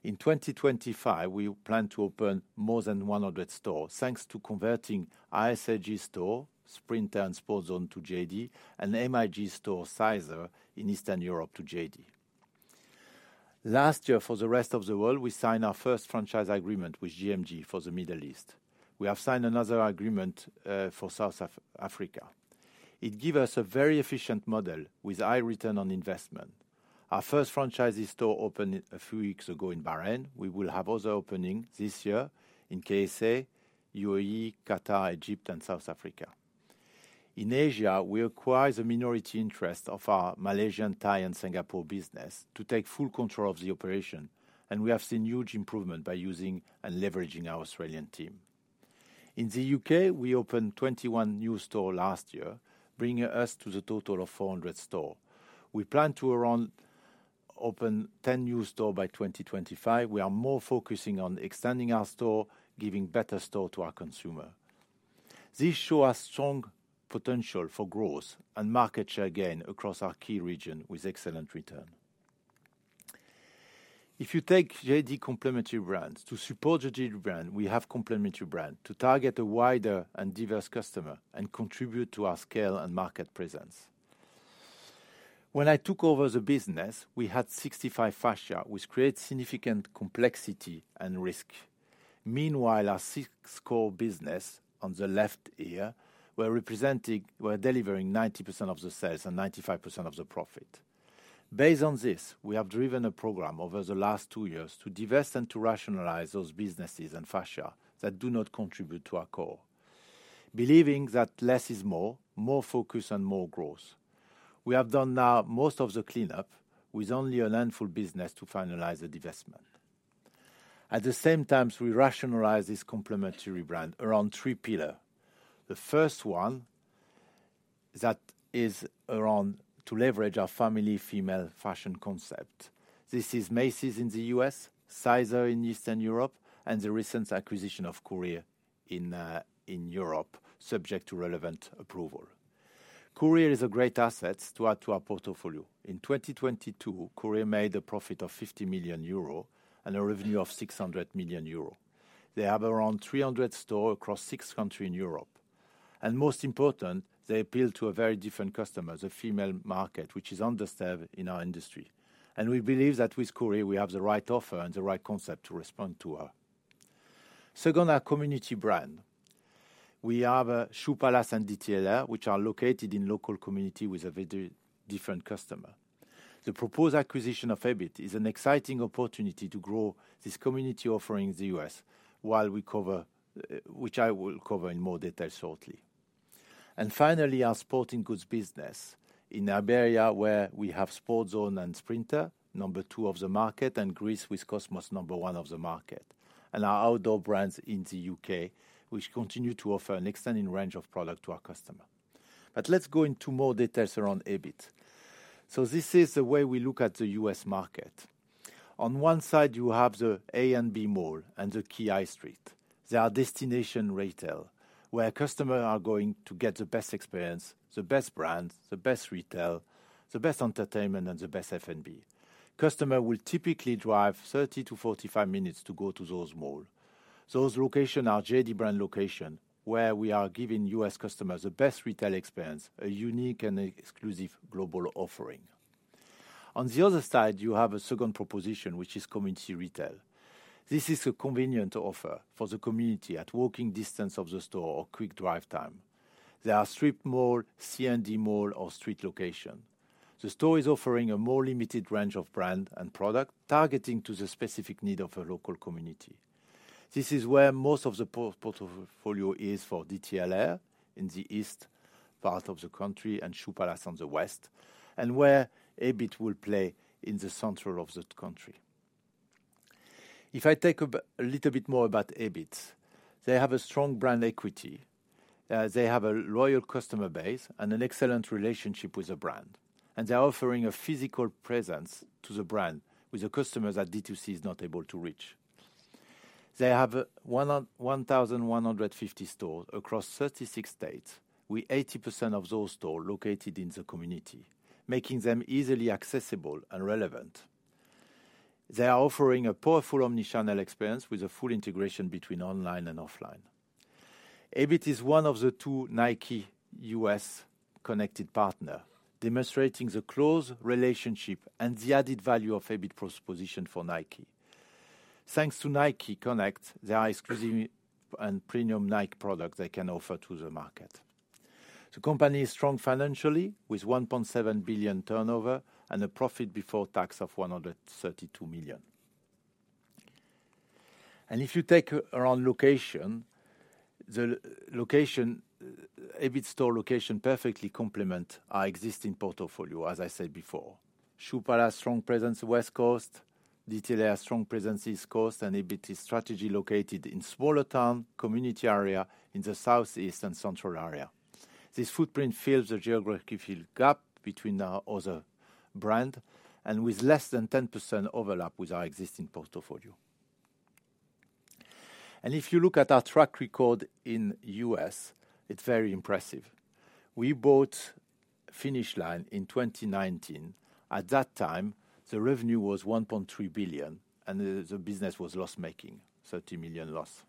In 2025, we plan to open more than 100 stores, thanks to converting ISRG stores, Sprinter and Sport Zone to JD, and MIG stores, Sizeer, in Eastern Europe to JD. Last year, for the rest of the world, we signed our first franchise agreement with GMG for the Middle East. We have signed another agreement for South Africa. It give us a very efficient model with high return on investment. Our first franchisee store opened a few weeks ago in Bahrain. We will have other opening this year in KSA, UAE, Qatar, Egypt, and South Africa. In Asia, we acquire the minority interest of our Malaysian, Thai, and Singapore business to take full control of the operation, and we have seen huge improvement by using and leveraging our Australian team. In the UK, we opened 21 new store last year, bringing us to the total of 400 store. We plan to around open 10 new store by 2025. We are more focusing on extending our store, giving better store to our consumer. This show a strong potential for growth and market share gain across our key region with excellent return. If you take JD complementary brands, to support the JD brand, we have complementary brand, to target a wider and diverse customer and contribute to our scale and market presence. When I took over the business, we had 65 fascia, which create significant complexity and risk. Meanwhile, our 6 core business on the left here were delivering 90% of the sales and 95% of the profit. Based on this, we have driven a program over the last 2 years to divest and to rationalize those businesses and fascia that do not contribute to our core. Believing that less is more, more focus and more growth. We have done now most of the cleanup, with only a handful business to finalize the divestment. At the same time, we rationalize this complementary brand around three pillar. The first one, that is around to leverage our family female fashion concept. This is Macy's in the US, Sizeer in Eastern Europe, and the recent acquisition of Courir in, in Europe, subject to relevant approval. Courir is a great asset to add to our portfolio. In 2022, Courir made a profit of 50 million euro and a revenue of 600 million euro. They have around 300 stores across 6 countries in Europe, and most important, they appeal to a very different customer, the female market, which is underserved in our industry. And we believe that with Courir we have the right offer and the right concept to respond to her. Second, our community brand. We have, Shoe Palace and DTLR, which are located in local communities with a very different customer. The proposed acquisition of Hibbett is an exciting opportunity to grow this community offering in the US, while we cover, which I will cover in more detail shortly. Finally, our sporting goods business. In Iberia, where we have Sport Zone and Sprinter, number 2 of the market, and Greece, with Cosmos, number 1 of the market, and our outdoor brands in the UK, which continue to offer an extending range of product to our customer. Let's go into more details around Hibbett. So this is the way we look at the US market. On one side, you have the A and B mall and the key high street. They are destination retail, where customer are going to get the best experience, the best brands, the best retail, the best entertainment and the best F&B. Customer will typically drive 30-45 minutes to go to those mall. Those locations are JD brand locations, where we are giving U.S. customers the best retail experience, a unique and exclusive global offering. On the other side, you have a second proposition, which is community retail. This is a convenient offer for the community at walking distance of the store or quick drive time. They are strip mall, C and D mall or street locations. The store is offering a more limited range of brand and product, targeting to the specific need of a local community. This is where most of the portfolio is for DTLR, in the east part of the country, and Shoe Palace on the west, and where Hibbett will play in the central of the country. If I take a little bit more about Hibbett, they have a strong brand equity, they have a loyal customer base and an excellent relationship with the brand, and they are offering a physical presence to the brand, with a customer that D2C is not able to reach. They have 1,150 stores across 36 states, with 80% of those stores located in the community, making them easily accessible and relevant. They are offering a powerful omni-channel experience with a full integration between online and offline. Hibbett is one of the two Nike U.S. Connected partners, demonstrating the close relationship and the added value of Hibbett's proposition for Nike. Thanks to Nike Connected, there are exclusive and premium Nike products they can offer to the market. The company is strong financially, with 1.7 billion turnover and a profit before tax of 132 million. If you take around location, the location, Hibbett store location perfectly complement our existing portfolio, as I said before. Shoe Palace, strong presence, West Coast, DTLR, strong presence, East Coast, and Hibbett's strategy, located in smaller town, community area in the southeast and central area. This footprint fills the geographical gap between our other brand, and with less than 10% overlap with our existing portfolio. If you look at our track record in US, it's very impressive. We bought Finish Line in 2019. At that time, the revenue was $1.3 billion, and the business was loss-making, $30 million loss.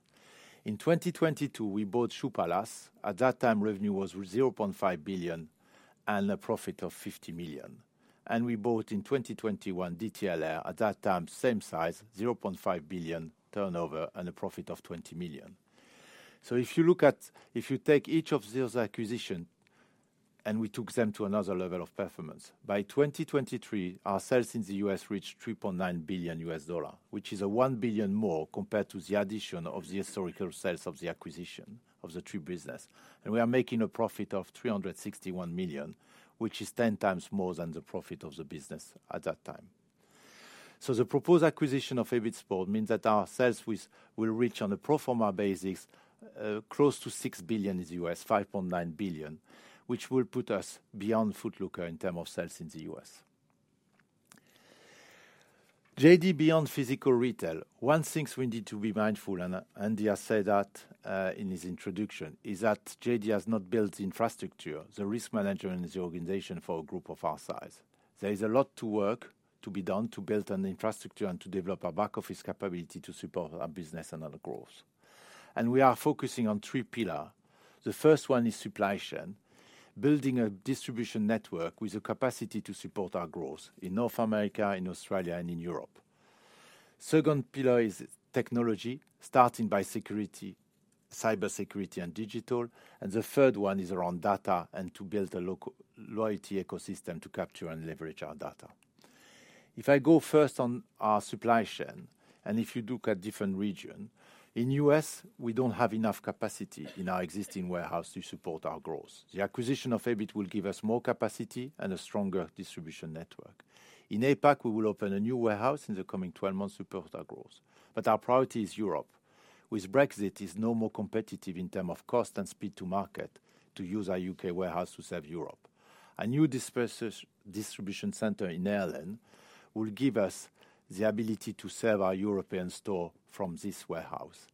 In 2022, we bought Shoe Palace. At that time, revenue was $0.5 billion and a profit of $50 million. And we bought in 2021, DTLR. At that time, same size, $0.5 billion turnover and a profit of $20 million. So if you look at—if you take each of those acquisition, and we took them to another level of performance, by 2023, our sales in the US reached $3.9 billion, which is $1 billion more compared to the addition of the historical sales of the acquisition of the three business. And we are making a profit of $361 million, which is 10 times more than the profit of the business at that time. So the proposed acquisition of Hibbett Sports means that our sales with will reach on a pro forma basis, close to $6 billion in the US, $5.9 billion, which will put us beyond Foot Locker in term of sales in the US. JD, beyond physical retail, one thing we need to be mindful, and he has said that in his introduction, is that JD has not built the infrastructure, the risk management in the organization for a group of our size. There is a lot of work to be done to build an infrastructure and to develop a back office capability to support our business and our growth. We are focusing on three pillars. The first one is supply chain, building a distribution network with the capacity to support our growth in North America, in Australia, and in Europe. Second pillar is technology, starting by security, cybersecurity and digital. The third one is around data and to build a local loyalty ecosystem to capture and leverage our data. If I go first on our supply chain, and if you look at different region, in U.S., we don't have enough capacity in our existing warehouse to support our growth. The acquisition of Hibbett will give us more capacity and a stronger distribution network. In APAC, we will open a new warehouse in the coming 12 months to support our growth. But our priority is Europe. With Brexit, it is no more competitive in terms of cost and speed to market to use our U.K. warehouse to serve Europe. A new distribution center in Ireland will give us the ability to serve our European store from this warehouse.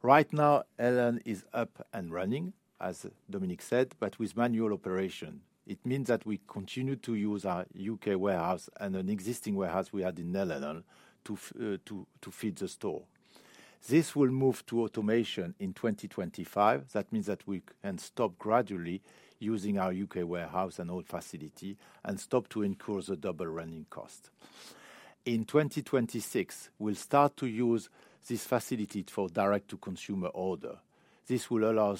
Right now, Ireland is up and running, as Dominic said, but with manual operation. It means that we continue to use our U.K. warehouse and an existing warehouse we had in Ireland to feed the store. This will move to automation in 2025. That means that we can stop gradually using our U.K. warehouse and old facility and stop to incur the double running cost. In 2026, we'll start to use this facility for direct-to-consumer order. This will allow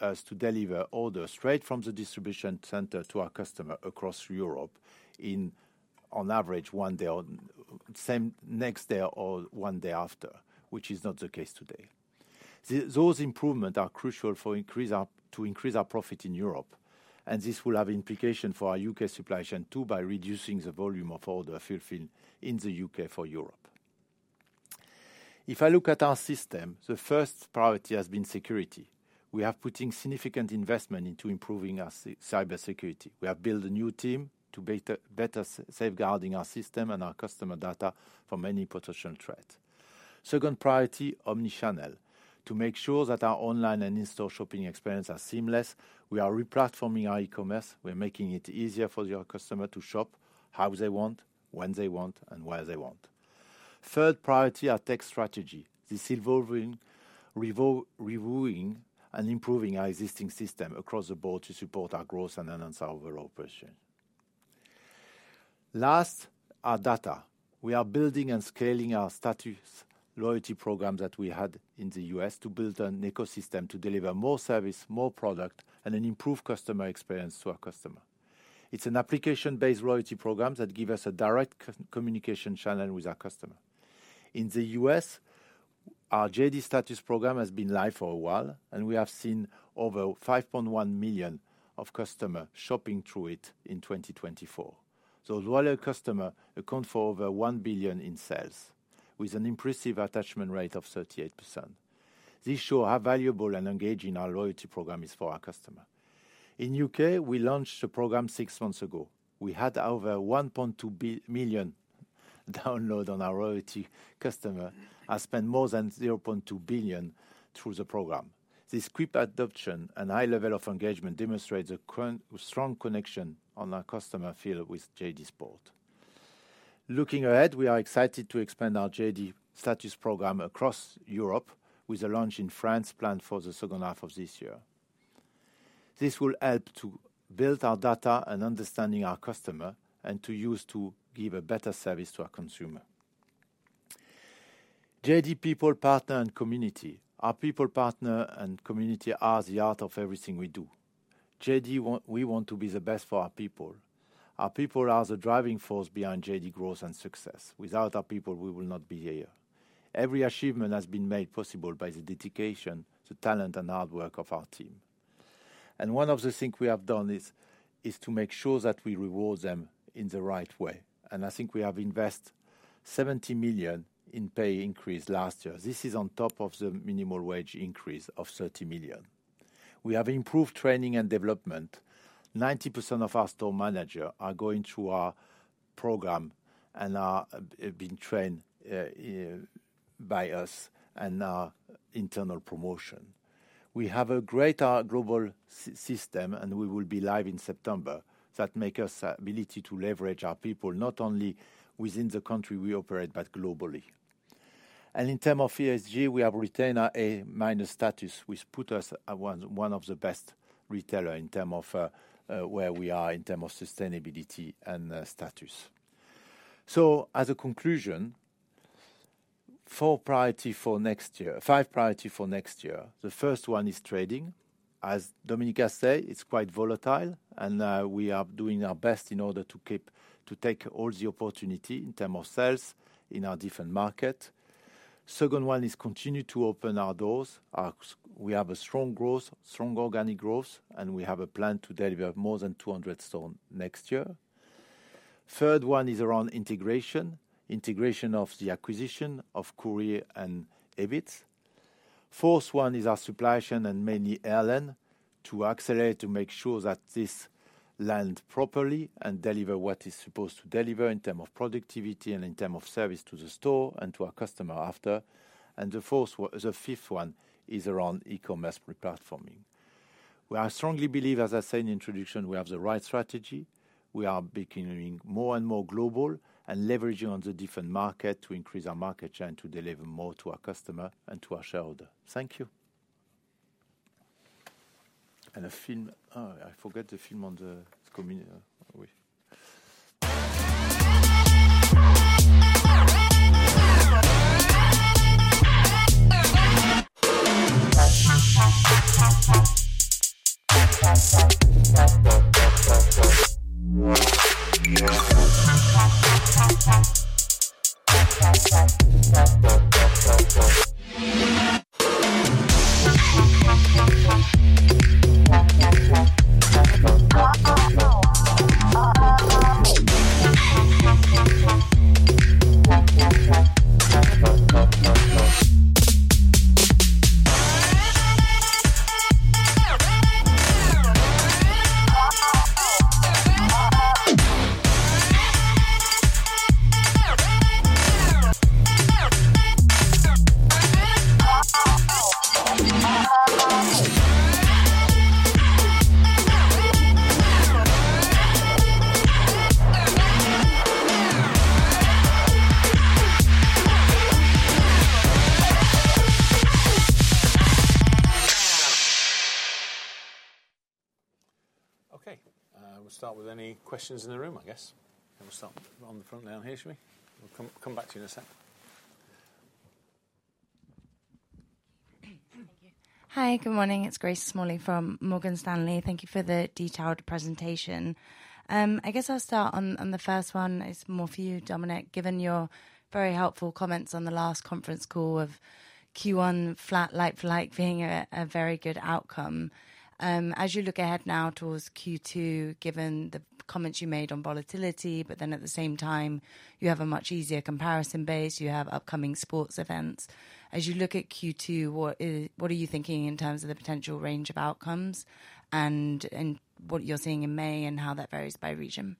us to deliver order straight from the distribution center to our customer across Europe in on average one day or same next day or one day after, which is not the case today. Those improvements are crucial to increase our profit in Europe, and this will have implication for our U.K. supply chain, too, by reducing the volume of order fulfilled in the U.K. for Europe. If I look at our system, the first priority has been security. We are putting significant investment into improving our cybersecurity. We have built a new team to better safeguard our system and our customer data from any potential threat. Second priority, omni-channel. To make sure that our online and in-store shopping experience are seamless, we are re-platforming our e-commerce. We are making it easier for your customer to shop how they want, when they want, and where they want. Third priority, our tech strategy. This involving reviewing and improving our existing system across the board to support our growth and enhance our overall operation. Last, our data. We are building and scaling our STATUS loyalty program that we had in the US to build an ecosystem to deliver more service, more product, and an improved customer experience to our customer. It's an application-based loyalty program that give us a direct communication channel with our customer. In the U.S., our JD STATUS program has been live for a while, and we have seen over 5.1 million customers shopping through it in 2024. Those loyal customers account for over $1 billion in sales, with an impressive attachment rate of 38%. This shows how valuable and engaging our loyalty program is for our customers. In the U.K., we launched a program six months ago. We had over 1.2 million downloads on our loyalty customers, who have spent more than 0.2 billion through the program. This quick adoption and high level of engagement demonstrates a strong connection our customers feel with JD Sports. Looking ahead, we are excited to expand our JD STATUS program across Europe, with a launch in France planned for the second half of this year. This will help to build our data and understanding our customer, and to use to give a better service to our consumer. JD people, partner, and community. Our people, partner, and community are the heart of everything we do. We want to be the best for our people. Our people are the driving force behind JD growth and success. Without our people, we will not be here. Every achievement has been made possible by the dedication, the talent, and hard work of our team. One of the things we have done is to make sure that we reward them in the right way, and I think we have invested 70 million in pay increase last year. This is on top of the minimum wage increase of 30 million. We have improved training and development. 90% of our store manager are going through our program and are being trained by us and our internal promotion. We have a greater global system, and we will be live in September. That make us ability to leverage our people, not only within the country we operate, but globally. In terms of ESG, we have retained our A-minus status, which put us at one of the best retailer in terms of where we are in terms of sustainability and status. So as a conclusion, four priority for next year five priority for next year. The first one is trading. As Dominic has said, it's quite volatile, and we are doing our best in order to take all the opportunity in terms of sales in our different market. Second one is continue to open our doors. We have a strong growth, strong organic growth, and we have a plan to deliver more than 200 stores next year. Third one is around integration, integration of the acquisition of Courir and Hibbett. Fourth one is our supply chain and mainly Ireland, to accelerate, to make sure that this lands properly and deliver what is supposed to deliver in terms of productivity and in terms of service to the store and to our customer after. The fifth one is around e-commerce re-platforming. We strongly believe, as I said in introduction, we have the right strategy. We are becoming more and more global and leveraging on the different market to increase our market share and to deliver more to our customer and to our shareholder. Thank you! And the film, oh, I forgot the film on the community. Oui. Okay, we'll start with any questions in the room, I guess. And we'll start on the front down here, shall we? We'll come back to you in a sec. Thank you. Hi, good morning. It's Grace Smalley from Morgan Stanley. Thank you for the detailed presentation. I guess I'll start on the first one. It's more for you, Dominic, given your very helpful comments on the last conference call of Q1, flat like for like, being a very good outcome. As you look ahead now towards Q2, given the comments you made on volatility, but then at the same time, you have a much easier comparison base, you have upcoming sports events. As you look at Q2, what are you thinking in terms of the potential range of outcomes, and what you're seeing in May and how that varies by region?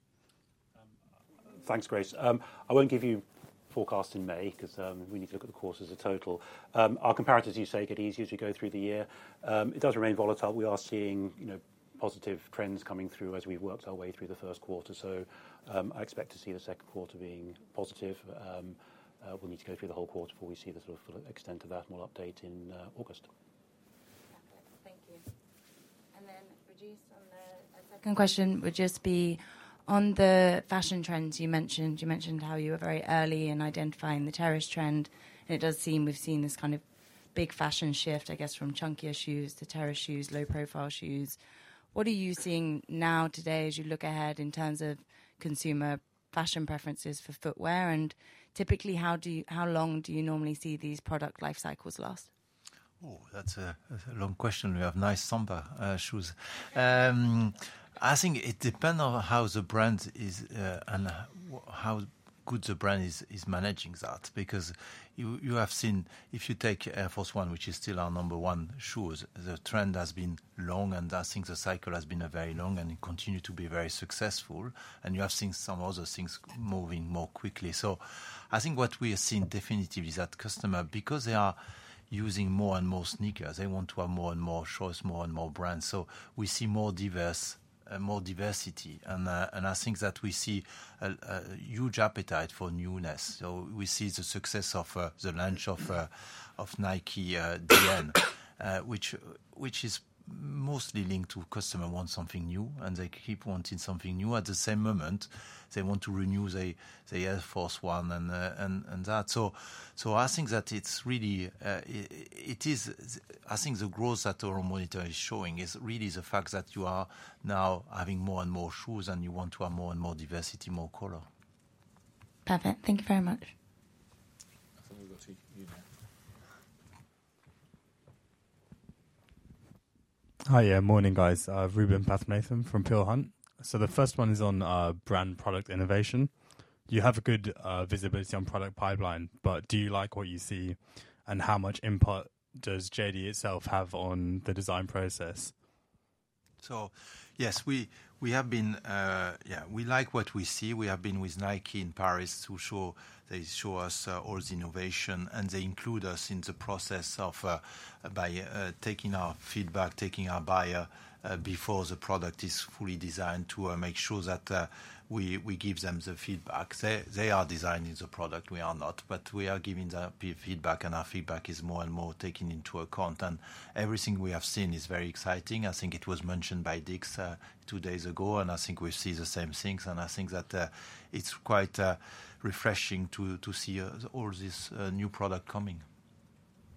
Thanks, Grace. I won't give you forecast in May 'cause we need to look at the course as a total. Our comparatives, you say, get easier as you go through the year. It does remain volatile. We are seeing, you know, positive trends coming through as we've worked our way through the first quarter. So, I expect to see the second quarter being positive. We'll need to go through the whole quarter before we see the sort of full extent of that and we'll update in August. Perfect. Thank you. A second question would just be on the fashion trends you mentioned. You mentioned how you were very early in identifying the terrace trend, and it does seem we've seen this kind of big fashion shift, I guess, from chunkier shoes to terrace shoes, low-profile shoes. What are you seeing now today as you look ahead in terms of consumer fashion preferences for footwear? And typically, how long do you normally see these product life cycles last? Oh, that's a, that's a long question. We have nice summer shoes. I think it depends on how the brand is, and how good the brand is, is managing that. Because you, you have seen, if you take Air Force 1, which is still our number one shoes, the trend has been long, and I think the cycle has been very long, and it continue to be very successful, and you have seen some other things moving more quickly. So I think what we are seeing definitively is that customer, because they are using more and more sneakers, they want to have more and more shoes, more and more brands. So we see more diverse, more diversity, and, and I think that we see a, a huge appetite for newness. So we see the success of the launch of Nike Dn, which is mostly linked to customer want something new, and they keep wanting something new. At the same moment, they want to renew their Air Force 1 and that. So I think that it's really I think the growth that our monitor is showing is really the fact that you are now having more and more shoes and you want to have more and more diversity, more color. Perfect. Thank you very much. I think we go to you now. Hi, yeah, morning, guys. Ruben Pathmanathan from Peel Hunt. So the first one is on, brand product innovation. You have a good, visibility on product pipeline, but do you like what you see, and how much input does JD itself have on the design process? So yes, we have been, yeah, we like what we see. We have been with Nike in Paris to show—they show us all the innovation, and they include us in the process of by taking our feedback, taking our buyer before the product is fully designed, to make sure that we give them the feedback. They are designing the product, we are not, but we are giving the feedback, and our feedback is more and more taken into account, and everything we have seen is very exciting. I think it was mentioned by Dick's two days ago, and I think we see the same things, and I think that it's quite refreshing to see all this new product coming.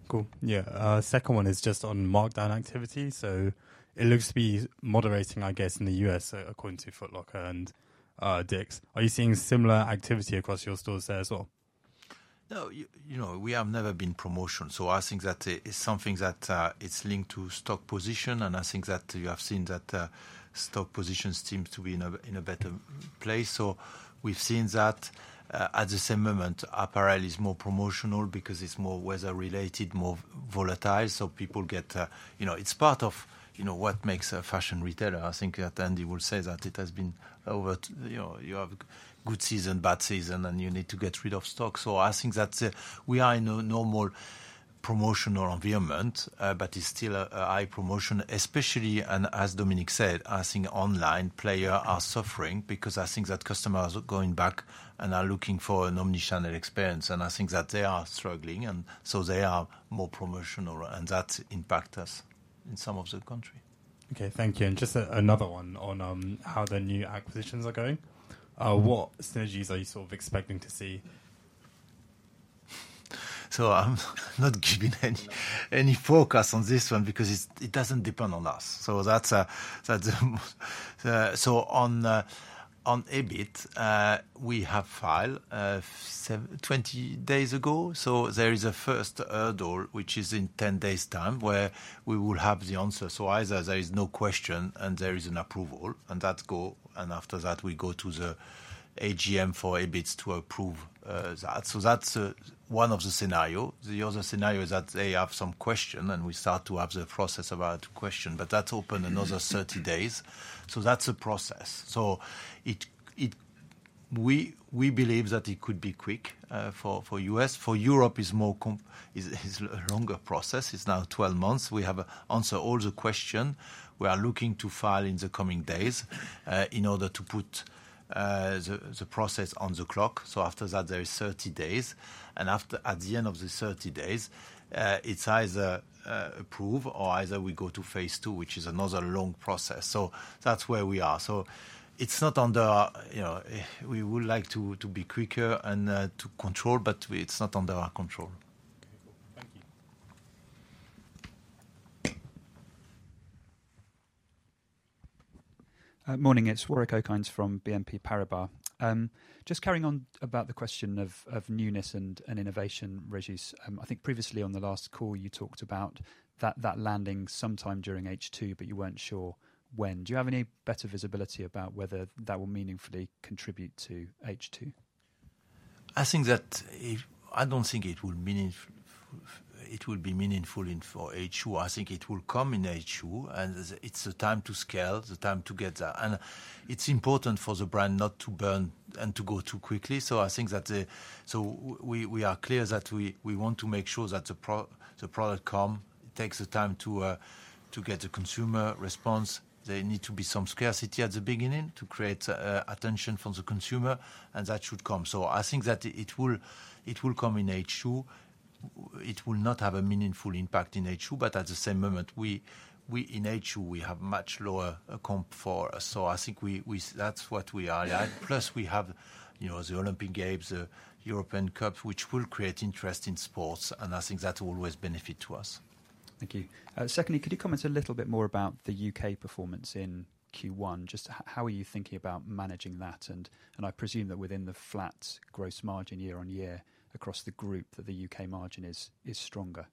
Cool. Yeah, second one is just on markdown activity. So it looks to be moderating, I guess, in the U.S., according to Foot Locker and Dick's. Are you seeing similar activity across your stores there as well? No, you know, we have never been promotional, so I think that it it's something that it's linked to stock position, and I think that you have seen that stock positions seem to be in a better place. So we've seen that at the same moment, apparel is more promotional because it's more weather-related, more volatile, so people get. You know, it's part of, you know, what makes a fashion retailer. I think that Andy would say that it has been over. You know, you have good season, bad season, and you need to get rid of stock. So I think that, we are in a normal promotional environment, but it's still a, a high promotion, especially, and as Dominic said, I think online player are suffering because I think that customers are going back and are looking for an omni-channel experience, and I think that they are struggling, and so they are more promotional, and that impact us in some of the country. Okay, thank you. And just, another one on, how the new acquisitions are going. What synergies are you sort of expecting to see? So I'm not giving any forecast on this one because it doesn't depend on us. So that's. So on Hibbett, we have filed 70 days ago. So there is a first hurdle, which is in 10 days time, where we will have the answer. So either there is no question, and there is an approval, and that go, and after that, we go to the AGM for Hibbett to approve that. So that's one of the scenario. The other scenario is that they have some question, and we start to have the process about question, but that's open another 30 days. So that's a process. So it, it, we, we believe that it could be quick for US. For Europe is more com, is, is a longer process. It's now 12 months. We have answered all the question. We are looking to file in the coming days, in order to put the process on the clock. So after that, there is 30 days, and after at the end of the 30 days, it's either approved or either we go to phase two, which is another long process. So that's where we are. So it's not under our, you know, control. We would like to be quicker and to control, but it's not under our control. Okay, cool. Thank you. Morning, it's Warwick Okines from BNP Paribas. Just carrying on about the question of newness and innovation, Regis. I think previously, on the last call, you talked about that landing sometime during H2, but you weren't sure when. Do you have any better visibility about whether that will meaningfully contribute to H2? I think that if I don't think it will be meaningful in H2. I think it will come in H2, and it's the time to scale, the time to get there. And it's important for the brand not to burn and to go too quickly. So I think that, so we are clear that we want to make sure that the product comes, takes the time to get the consumer response. There need to be some scarcity at the beginning to create attention from the consumer, and that should come. So I think that it will come in H2. It will not have a meaningful impact in H2, but at the same moment, in H2, we have much lower comps. So I think that's what we are. Plus, we have, you know, the Olympic Games, the European Cup, which will create interest in sports, and I think that always benefit to us. Thank you. Secondly, could you comment a little bit more about the UK performance in Q1? Just how are you thinking about managing that? And I presume that within the flat gross margin year on year across the group, that the UK margin is stronger.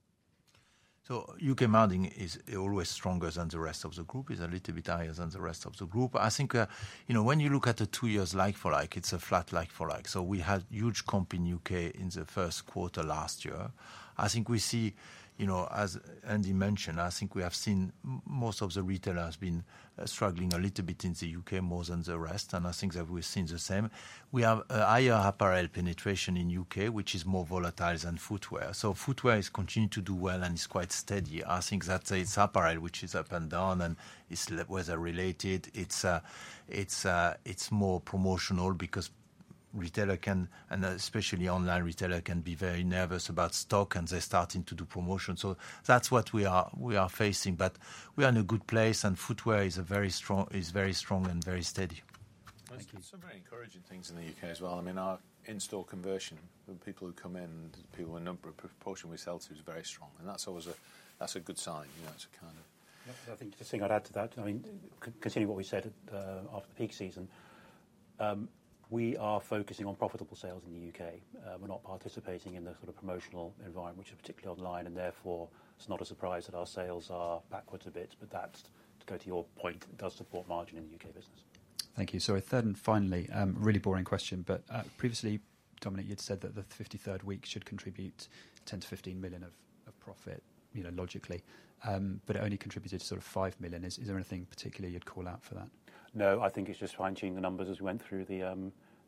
So UK margin is always stronger than the rest of the group, is a little bit higher than the rest of the group. I think, you know, when you look at the two years like-for-like, it's a flat like-for-like. So we had huge comp in UK in the first quarter last year. I think we see, you know, as Andy mentioned, I think we have seen most of the retailers been struggling a little bit in the UK more than the rest, and I think that we've seen the same. We have a higher apparel penetration in UK, which is more volatile than footwear. So footwear has continued to do well and is quite steady. I think that it's apparel, which is up and down, and it's weather related It's, it's, it's more promotional because retailer can, and especially online retailer, can be very nervous about stock, and they're starting to do promotion. So that's what we are facing, but we are in a good place, and footwear is very strong and very steady. Thank you. There's some very encouraging things in the UK as well. I mean, our in-store conversion, the people who come in, and the people, the number of proportion we sell to is very strong, and that's always a, that's a good sign. You know, it's a kind of- Yeah, I think the thing I'd add to that, I mean, continuing what we said, after the peak season, we are focusing on profitable sales in the UK. We're not participating in the sort of promotional environment, which are particularly online, and therefore, it's not a surprise that our sales are backwards a bit, but that, to go to your point, it does support margin in the UK business. Thank you. So a third and finally, really boring question, but, previously, Dominic, you'd said that the 53rd week should contribute 10 million-15 million of profit, you know, logically, but it only contributed to sort of 5 million. Is there anything particularly you'd call out for that? No, I think it's just fine-tuning the numbers as we went through the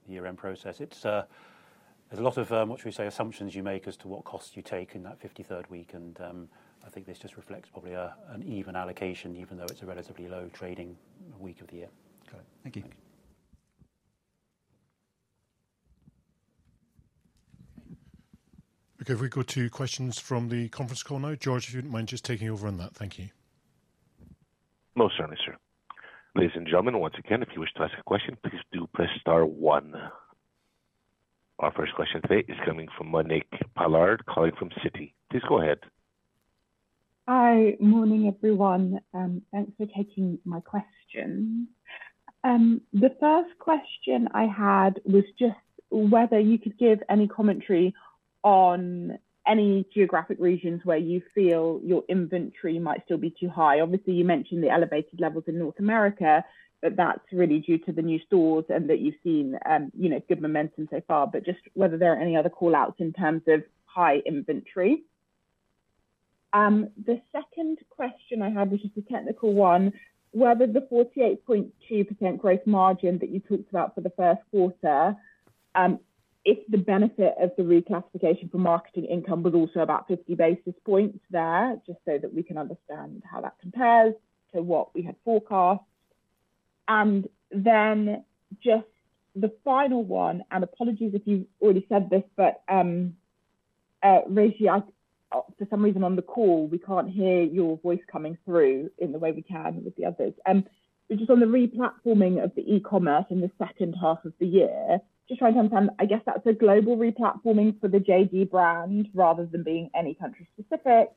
year-end process. It's, there's a lot of what should we say, assumptions you make as to what costs you take in that 53rd week, and I think this just reflects probably an even allocation, even though it's a relatively low trading week of the year. Got it. Thank you. Thank you. Okay, if we go to questions from the conference call now. George, if you wouldn't mind just taking over on that. Thank you. Most certainly, sir. Ladies and gentlemen, once again, if you wish to ask a question, please do press star one. Our first question today is coming from Monique Pollard, calling from Citi. Please go ahead. Hi. Morning, everyone, thanks for taking my questions. The first question I had was just whether you could give any commentary on any geographic regions where you feel your inventory might still be too high. Obviously, you mentioned the elevated levels in North America, but that's really due to the new stores and that you've seen, you know, good momentum so far, but just whether there are any other call-outs in terms of high inventory. The second question I had, which is a technical one, whether the 48.2% gross margin that you talked about for the first quarter, if the benefit of the reclassification for marketing income was also about 50 basis points there, just so that we can understand how that compares to what we had forecast? And then just the final one, and apologies if you've already said this, but, Reggie, I, for some reason on the call, we can't hear your voice coming through in the way we can with the others. Which is on the re-platforming of the e-commerce in the second half of the year. Just trying to understand, I guess, that's a global re-platforming for the JD brand rather than being any country specific.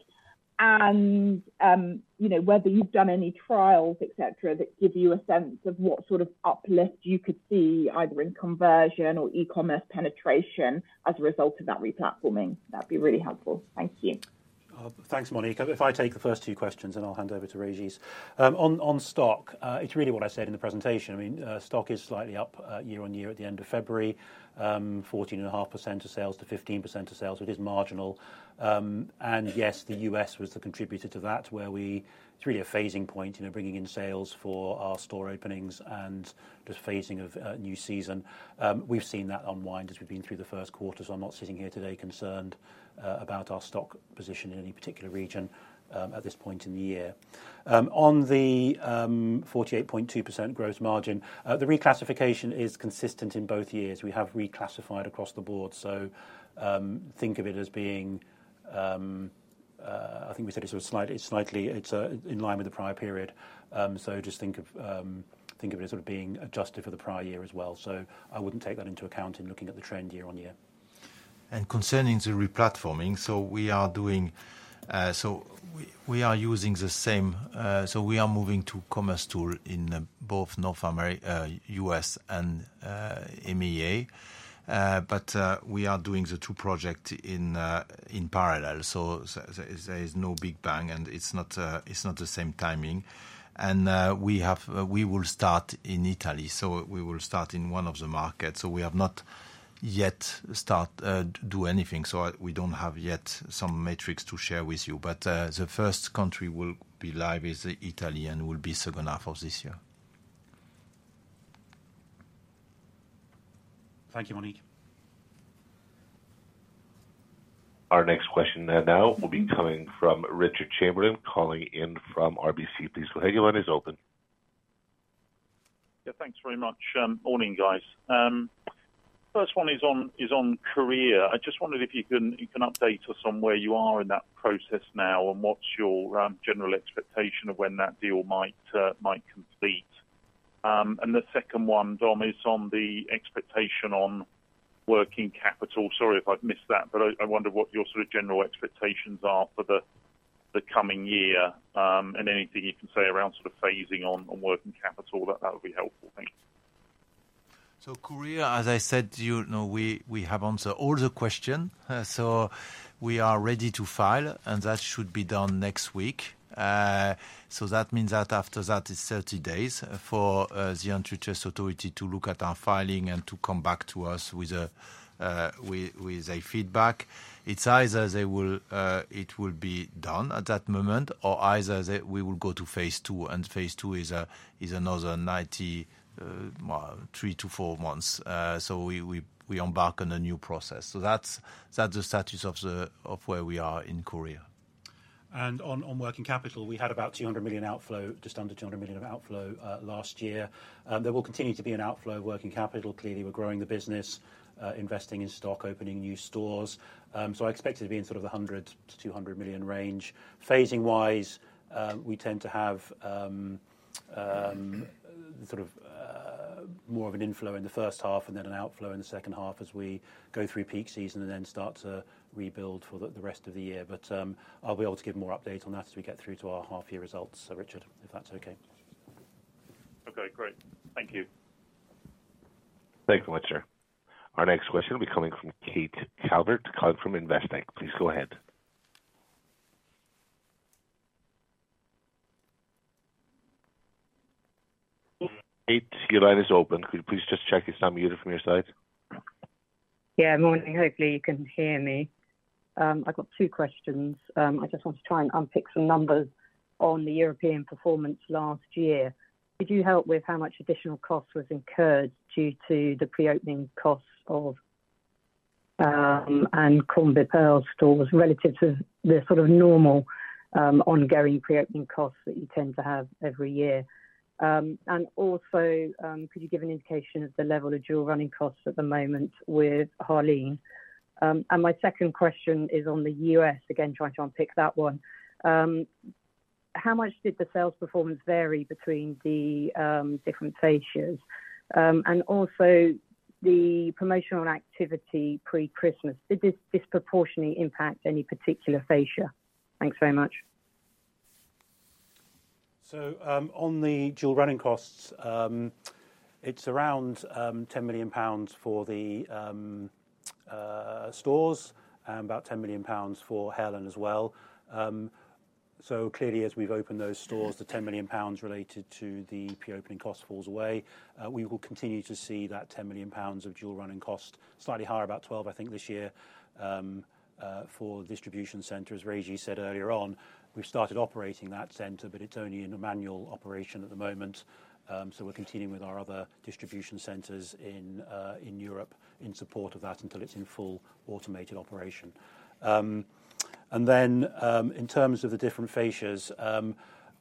And, you know, whether you've done any trials, et cetera, that give you a sense of what sort of uplift you could see either in conversion or e-commerce penetration as a result of that re-platforming. That'd be really helpful. Thank you. Thanks, Monique. If I take the first two questions, and I'll hand over to Régis. On stock, it's really what I said in the presentation. I mean, stock is slightly up year-on-year at the end of February, 14.5%-15% of sales, so it is marginal. And yes, the US was the contributor to that, where it's really a phasing point, you know, bringing in sales for our store openings and just phasing of new season. We've seen that unwind as we've been through the first quarter, so I'm not sitting here today concerned about our stock position in any particular region at this point in the year. On the 48.2% gross margin, the reclassification is consistent in both years. We have reclassified across the board, so, think of it as being, I think we said it's sort of slightly in line with the prior period. So just think of it as sort of being adjusted for the prior year as well. So I wouldn't take that into account in looking at the trend year on year. Concerning the re-platforming, so we are doing... So we, we are using the same, so we are moving to commercetools in both North America, US and, MEA. But, we are doing the two project in, in parallel, so, so there is no big bang, and it's not, it's not the same timing. We have, we will start in Italy, so we will start in one of the markets. So we have not yet start, do anything, so we don't have yet some metrics to share with you. The first country we'll be live is Italy, and will be second half of this year. Thank you, Monique. Our next question now will be coming from Richard Chamberlain, calling in from RBC. Please go ahead, your line is open. Yeah, thanks very much. Morning, guys. First one is on Korea. I just wondered if you can update us on where you are in that process now, and what's your general expectation of when that deal might complete? And the second one, Dom, is on the expectation on working capital. Sorry if I've missed that, but I wonder what your sort of general expectations are for the coming year, and anything you can say around sort of phasing on working capital, that would be helpful, thank you. So Korea, as I said to you, you know, we have answered all the question. So we are ready to file, and that should be done next week. So that means that after that, it's 30 days for the Antitrust Authority to look at our filing and to come back to us with a feedback. It's either they will, it will be done at that moment, or either they we will go to phase two, and phase two is another 90, 3-4 months. So we embark on a new process. So that's the status of where we are in Korea. On working capital, we had about 200 million outflow, just under 200 million of outflow last year. There will continue to be an outflow of working capital. Clearly, we're growing the business, investing in stock, opening new stores. So I expect it to be in sort of the 100 million-200 million range. Phasing wise, we tend to have sort of more of an inflow in the first half and then an outflow in the second half as we go through peak season and then start to rebuild for the rest of the year. But I'll be able to give more update on that as we get through to our half-year results, Richard, if that's okay. Okay, great. Thank you. Thank you much, sir. Our next question will be coming from Kate Calvert, calling from Investec. Please go ahead. Kate, your line is open. Could you please just check it's unmuted from your side? Yeah, morning. Hopefully, you can hear me. I've got two questions. I just want to try and unpick some numbers on the European performance last year. Could you help with how much additional cost was incurred due to the preopening costs of, and Courir stores relative to the sort of normal, ongoing preopening costs that you tend to have every year? And also, could you give an indication of the level of dual running costs at the moment with Heerlen? And my second question is on the US, again, trying to unpick that one. How much did the sales performance vary between the, different fascias? And also the promotional activity pre-Christmas, did this disproportionately impact any particular fascia? Thanks very much. So, on the dual running costs, it's around 10 million pounds for the stores and about 10 million pounds for Heerlen as well. So clearly, as we've opened those stores, the 10 million pounds related to the pre-opening cost falls away. We will continue to see that 10 million pounds of dual running cost slightly higher, about 12, I think, this year for distribution centers. Régis said earlier on, we've started operating that center, but it's only in a manual operation at the moment. So we're continuing with our other distribution centers in Europe in support of that until it's in full automated operation. And then, in terms of the different fascias,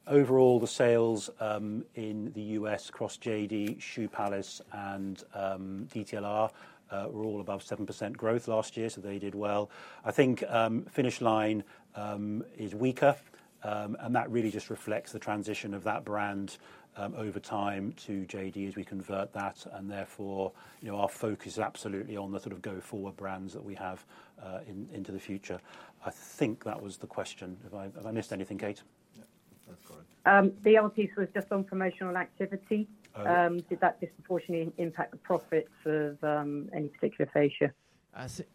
overall, the sales in the U.S. across JD, Shoe Palace, and DTLR were all above 7% growth last year, so they did well. I think Finish Line is weaker, and that really just reflects the transition of that brand over time to JD as we convert that, and therefore, you know, our focus is absolutely on the sort of go-forward brands that we have into the future. I think that was the question. Have I, have I missed anything, Kate? Yeah, that's correct. The other piece was just on promotional activity. Oh, okay. Did that disproportionately impact the profits of any particular fascia?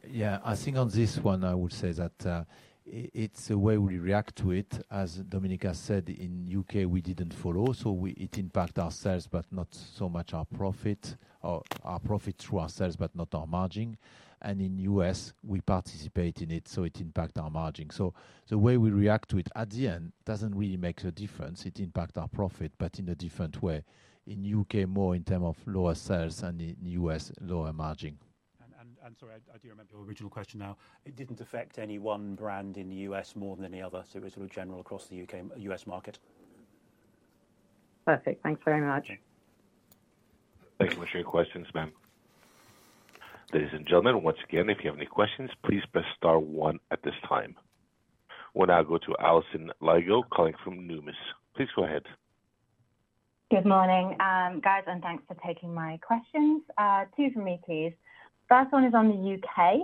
Yeah, I think on this one, I would say that it's the way we react to it. As Dominic has said, in U.K., we didn't follow, so it impact our sales, but not so much our profit, or our profit through our sales, but not our margin. And in U.S., we participate in it, so it impact our margin. So the way we react to it at the end doesn't really make a difference. It impact our profit, but in a different way. In U.K., more in term of lower sales, and in U.S., lower margin. Sorry, I do remember your original question now. It didn't affect any one brand in the U.S. more than any other, so it was sort of general across the U.K., U.S. market. Perfect. Thanks very much. Okay. Thank you for your questions, ma'am. Ladies and gentlemen, once again, if you have any questions, please press star one at this time. We'll now go to Alison Lygo, calling from Numis. Please go ahead. Good morning, guys, and thanks for taking my questions. Two for me, please. First one is on the UK,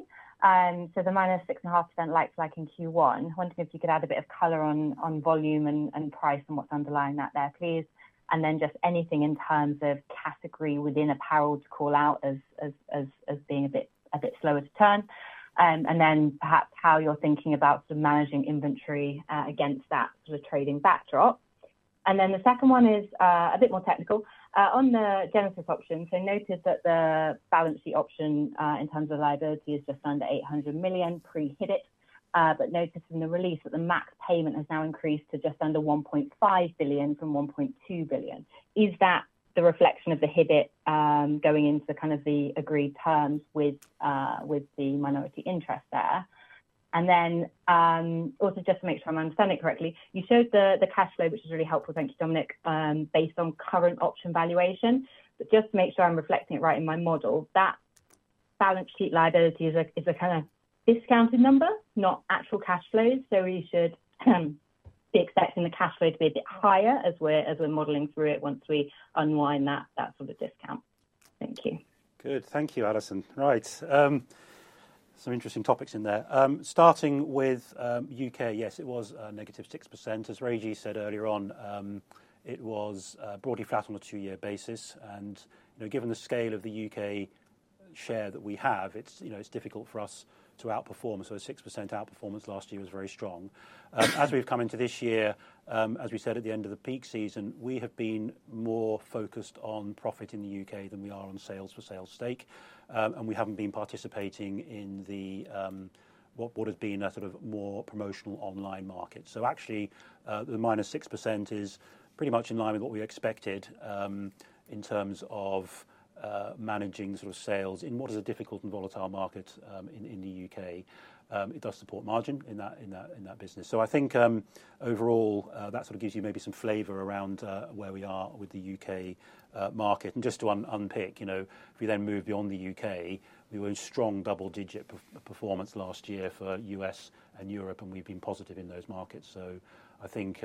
so the -6.5% like-for-like in Q1, wondering if you could add a bit of color on volume and price and what's underlying that there, please. And then just anything in terms of category within apparel to call out as being a bit slower to turn. And then perhaps how you're thinking about sort of managing inventory against that sort of trading backdrop. And then the second one is a bit more technical. On the Genesis option, so I noticed that the balance, the option, in terms of liability is just under 800 million pre-Hibett. noticed in the release that the max payment has now increased to just under 1.5 billion from 1.2 billion. Is that the reflection of the Hibbett going into kind of the agreed terms with the minority interest there? And then, also just to make sure I'm understanding correctly, you showed the cash flow, which is really helpful. Thank you, Dominic, based on current option valuation, but just to make sure I'm reflecting it right in my model, that balance sheet liability is a kind of discounted number, not actual cash flows, so we should be expecting the cash flow to be a bit higher as we're modeling through it once we unwind that sort of discount. Thank you. Good. Thank you, Alison. Right, some interesting topics in there. Starting with, UK, yes, it was, negative 6%. As Reggie said earlier on, it was, broadly flat on a two-year basis, and, you know, given the scale of the UK share that we have, it's, you know, it's difficult for us to outperform. So a 6% outperformance last year was very strong. As we've come into this year, as we said at the end of the peak season, we have been more focused on profit in the UK than we are on sales for sales' sake. And we haven't been participating in the, what would have been a sort of more promotional online market. So actually, the -6% is pretty much in line with what we expected, in terms of managing sort of sales in what is a difficult and volatile market, in the U.K. It does support margin in that business. So I think overall, that sort of gives you maybe some flavor around where we are with the U.K. market. And just to unpick, you know, if we then move beyond the U.K., we were in strong double-digit performance last year for U.S. and Europe, and we've been positive in those markets. So I think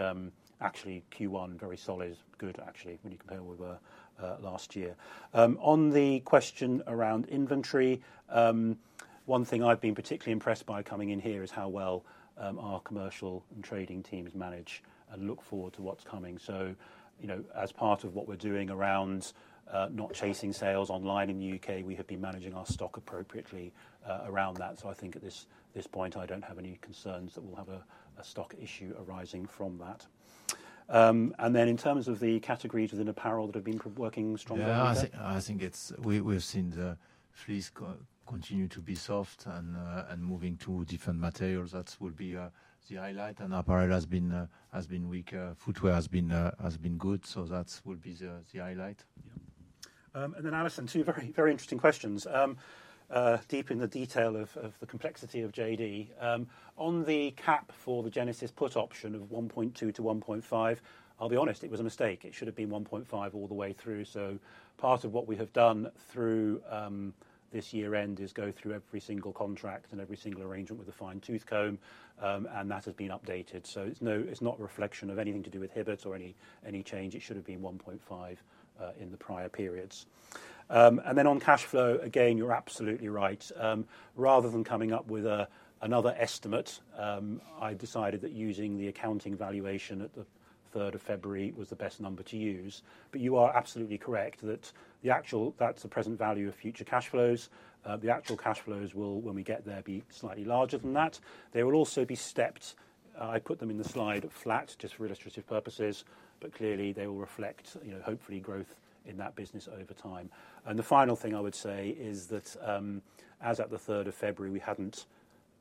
actually, Q1, very solid, good, actually, when you compare where we were last year. On the question around inventory, one thing I've been particularly impressed by coming in here is how well our commercial and trading teams manage and look forward to what's coming. So, you know, as part of what we're doing around not chasing sales online in the UK, we have been managing our stock appropriately around that. So I think at this point, I don't have any concerns that we'll have a stock issue arising from that. And then in terms of the categories within apparel that have been working strongly- Yeah, I think we've seen the fleece continue to be soft and moving to different materials, that will be the highlight, and apparel has been weaker. Footwear has been good, so that will be the highlight. Yeah. And then Alison, two very, very interesting questions. Deep in the detail of the complexity of JD, on the cap for the Genesis put option of 1.2-1.5, I'll be honest, it was a mistake. It should have been 1.5 all the way through. So part of what we have done through this year end is go through every single contract and every single arrangement with a fine-tooth comb, and that has been updated. So it's not a reflection of anything to do with Hibbett or any change. It should have been 1.5 in the prior periods. And then on cash flow, again, you're absolutely right. Rather than coming up with another estimate, I decided that using the accounting valuation at the third of February was the best number to use. But you are absolutely correct that the actual... That's the present value of future cash flows. The actual cash flows will, when we get there, be slightly larger than that. They will also be stepped. I put them in the slide flat, just for illustrative purposes, but clearly, they will reflect, you know, hopefully, growth in that business over time. And the final thing I would say is that, as at the third of February, we hadn't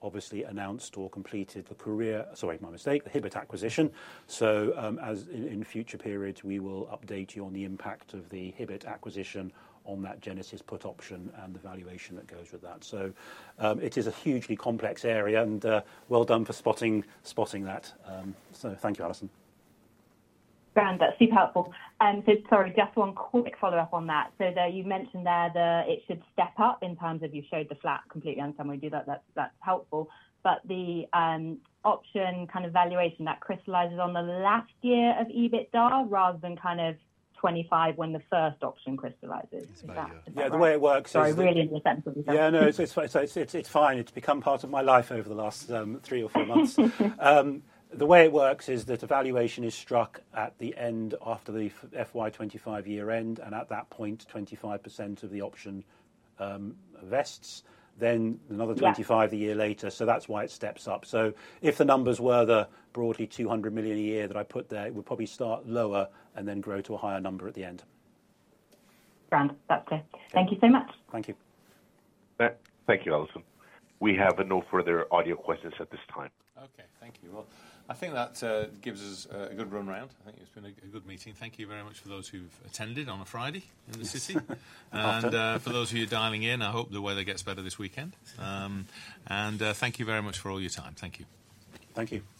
obviously announced or completed the sorry, my mistake, the Hibbett acquisition. So, in future periods, we will update you on the impact of the Hibbett acquisition on that Genesis put option and the valuation that goes with that. It is a hugely complex area, and well done for spotting that. Thank you, Alison. Great, that's super helpful. So sorry, just one quick follow-up on that. So there, you've mentioned there that it should step up in terms of you showed the flat completely understand we do that, that's, that's helpful. But the option kind of valuation that crystallizes on the last year of EBITDA rather than kind of 25 when the first option crystallizes. Yeah. Is that correct? Yeah, the way it works is- Sorry, I really in the sense of this. Yeah, no, it's fine. It's fine. It's become part of my life over the last three or four months. The way it works is that a valuation is struck at the end after the FY 2025 year end, and at that point, 25% of the option vests, then another- Yeah 25 a year later, so that's why it steps up. So if the numbers were the broadly 200 million a year that I put there, it would probably start lower and then grow to a higher number at the end. Grand. That's it. Thank- Thank you so much. Thank you. Thank you, Alison. We have no further audio questions at this time. Okay, thank you. Well, I think that gives us a good run round. I think it's been a good meeting. Thank you very much for those who've attended on a Friday in the city. Often. For those of you dialing in, I hope the weather gets better this weekend. Thank you very much for all your time. Thank you. Thank you. Thank you.